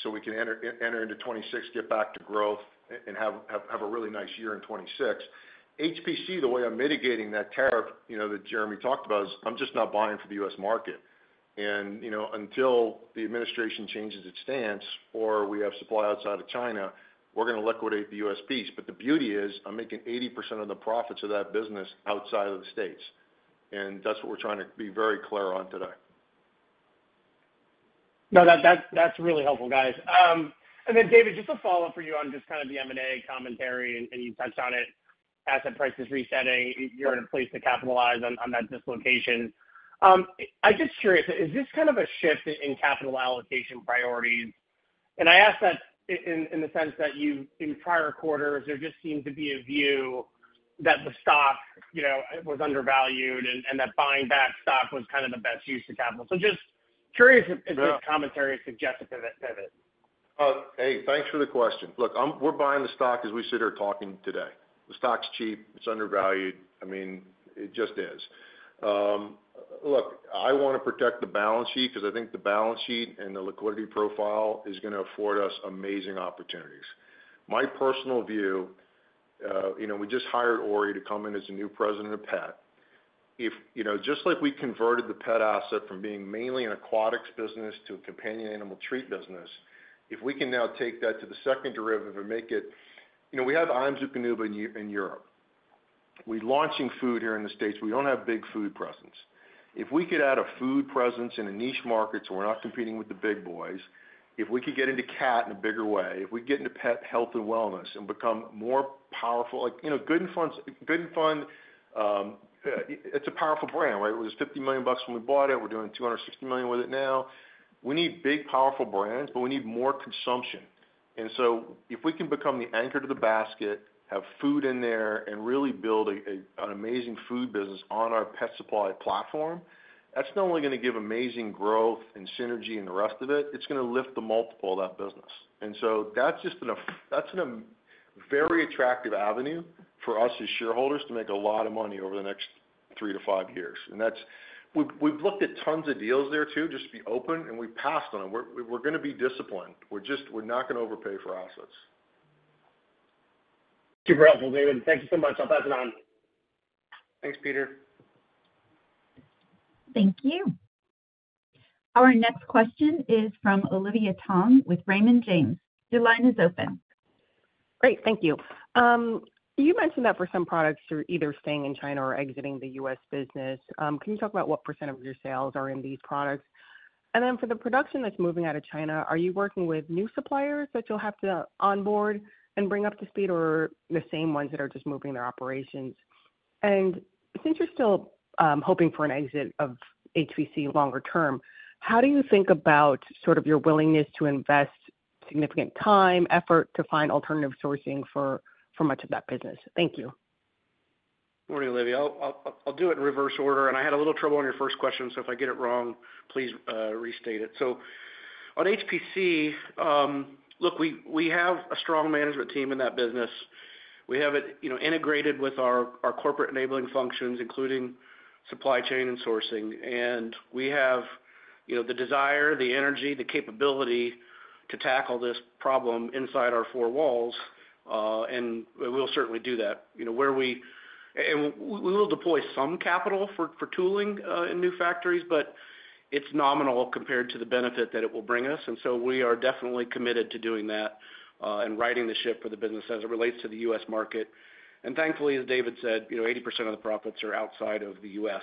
so we can enter into 2026, get back to growth, and have a really nice year in 2026. HPC, the way I'm mitigating that tariff that Jeremy talked about is I'm just not buying for the U.S. market. Until the administration changes its stance or we have supply outside of China, we're going to liquidate the U.S. piece. The beauty is I'm making 80% of the profits of that business outside of the States. That's what we're trying to be very clear on today. No, that's really helpful, guys. David, just a follow-up for you on just kind of the M&A commentary, and you touched on it, asset prices resetting. You're in a place to capitalize on that dislocation. I'm just curious, is this kind of a shift in capital allocation priorities? I ask that in the sense that in prior quarters, there just seemed to be a view that the stock was undervalued and that buying back stock was kind of the best use of capital. Just curious if this commentary suggests a pivot. Hey, thanks for the question. Look, we're buying the stock as we sit here talking today. The stock's cheap. It's undervalued. I mean, it just is. Look, I want to protect the balance sheet because I think the balance sheet and the liquidity profile is going to afford us amazing opportunities. My personal view, we just hired Ori to come in as a new president of pet. Just like we converted the pet asset from being mainly an aquatics business to a companion animal treat business, if we can now take that to the second derivative and make it we have AMZUPANUBA in Europe. We're launching food here in the States. We don't have big food presence. If we could add a food presence in a niche market so we're not competing with the big boys, if we could get into cat in a bigger way, if we get into pet health and wellness and become more powerful, Good & Fun, it's a powerful brand, right? It was $50 million when we bought it. We're doing $260 million with it now. We need big, powerful brands, but we need more consumption. If we can become the anchor to the basket, have food in there, and really build an amazing food business on our pet supply platform, that's not only going to give amazing growth and synergy and the rest of it, it's going to lift the multiple of that business. That's just a very attractive avenue for us as shareholders to make a lot of money over the next three to five years. We've looked at tons of deals there, too, just to be open, and we've passed on them. We're going to be disciplined. We're not going to overpay for assets. Super helpful, David. Thank you so much. I'll pass it on. Thanks, Peter. Thank you. Our next question is from Olivia Tong with Raymond James. Your line is open. Great. Thank you. You mentioned that for some products are either staying in China or exiting the U.S. business. Can you talk about what percent of your sales are in these products? And then for the production that's moving out of China, are you working with new suppliers that you'll have to onboard and bring up to speed, or the same ones that are just moving their operations? Since you're still hoping for an exit of HPC longer term, how do you think about sort of your willingness to invest significant time, effort to find alternative sourcing for much of that business? Thank you Morning, Olivia. I'll do it in reverse order. I had a little trouble on your first question, so if I get it wrong, please restate it. On HPC, look, we have a strong management team in that business. We have it integrated with our corporate enabling functions, including supply chain and sourcing. We have the desire, the energy, the capability to tackle this problem inside our four walls. We'll certainly do that. We will deploy some capital for tooling in new factories, but it's nominal compared to the benefit that it will bring us. We are definitely committed to doing that and righting the ship for the business as it relates to the U.S. market. Thankfully, as David said, 80% of the profits are outside of the U.S.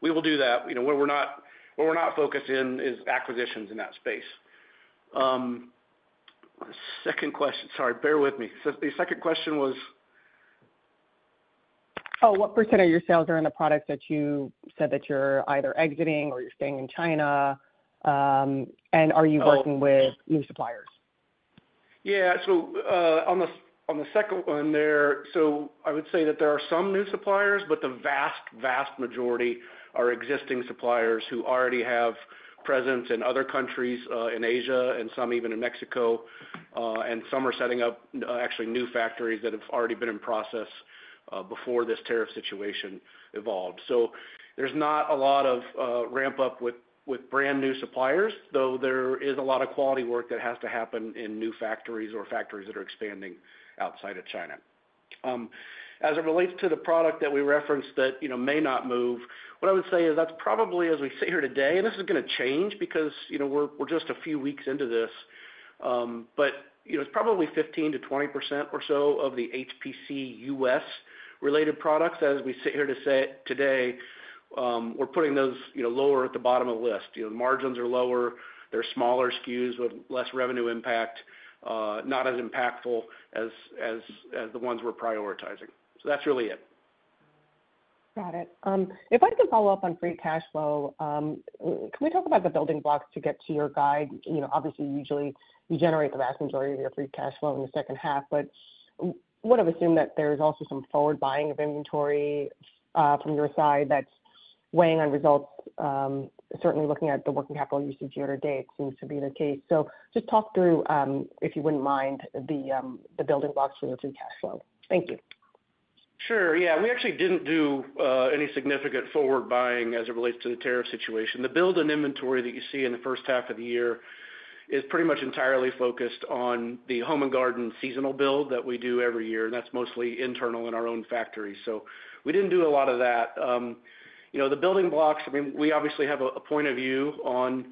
We will do that. What we are not focused in is acquisitions in that space. Second question—sorry, bear with me. The second question was, oh, What percent of your sales are in the products that you said that you are either exiting or you are staying in China? And are you working with new suppliers? Yeah. On the second one there, I would say that there are some new suppliers, but the vast, vast majority are existing suppliers who already have presence in other countries in Asia and some even in Mexico. Some are setting up actually new factories that have already been in process before this tariff situation evolved. There's not a lot of ramp-up with brand new suppliers, though there is a lot of quality work that has to happen in new factories or factories that are expanding outside of China. As it relates to the product that we referenced that may not move, what I would say is that's probably, as we sit here today—and this is going to change because we're just a few weeks into this—but it's probably 15%-20% or so of the HPC U.S.-related products. As we sit here today, we're putting those lower at the bottom of the list. The margins are lower. They're smaller SKUs with less revenue impact, not as impactful as the ones we're prioritizing. That's really it. Got it. If I can follow-up on free cash flow, can we talk about the building blocks to get to your guide? Obviously, usually, you generate the vast majority of your free cash flow in the second half. I would assume that there's also some forward buying of inventory from your side that's weighing on results. Certainly, looking at the working capital usage year to date, it seems to be the case. Just talk through, if you wouldn't mind, the building blocks for your free cash flow. Thank you. Sure. Yeah. We actually didn't do any significant forward buying as it relates to the tariff situation. The build in inventory that you see in the first half of the year is pretty much entirely focused on the Home & Garden seasonal build that we do every year. That's mostly internal in our own factory. We didn't do a lot of that. The building blocks, I mean, we obviously have a point of view on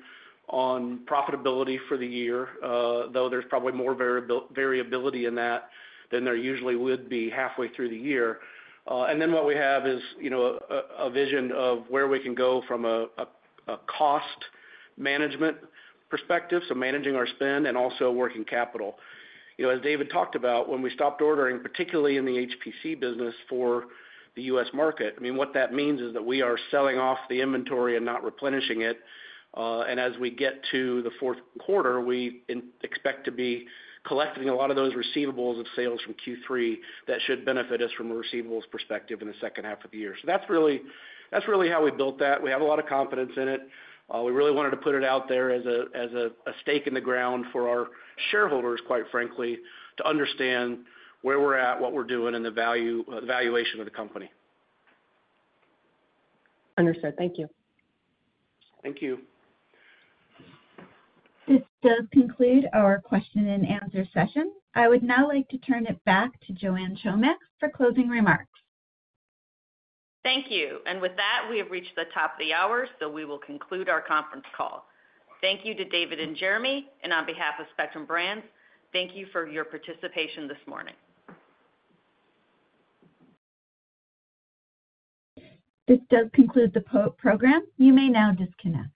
profitability for the year, though there's probably more variability in that than there usually would be halfway through the year. What we have is a vision of where we can go from a cost management perspective, so managing our spend and also working capital. As David talked about, when we stopped ordering, particularly in the Home & Personal Care business for the U.S. market, I mean, what that means is that we are selling off the inventory and not replenishing it. As we get to the fourth quarter, we expect to be collecting a lot of those receivables of sales from Q3 that should benefit us from a receivables perspective in the second half of the year. That's really how we built that. We have a lot of confidence in it. We really wanted to put it out there as a stake in the ground for our shareholders, quite frankly, to understand where we are at, what we are doing, and the valuation of the company. Understood. Thank you. Thank you. This does conclude our question and answer session. I would now like to turn it back to Joanne Chomiak for closing remarks. Thank you. With that, we have reached the top of the hour, so we will conclude our conference call. Thank you to David and Jeremy. On behalf of Spectrum Brands, thank you for your participation this morning. This does conclude the program. You may now disconnect.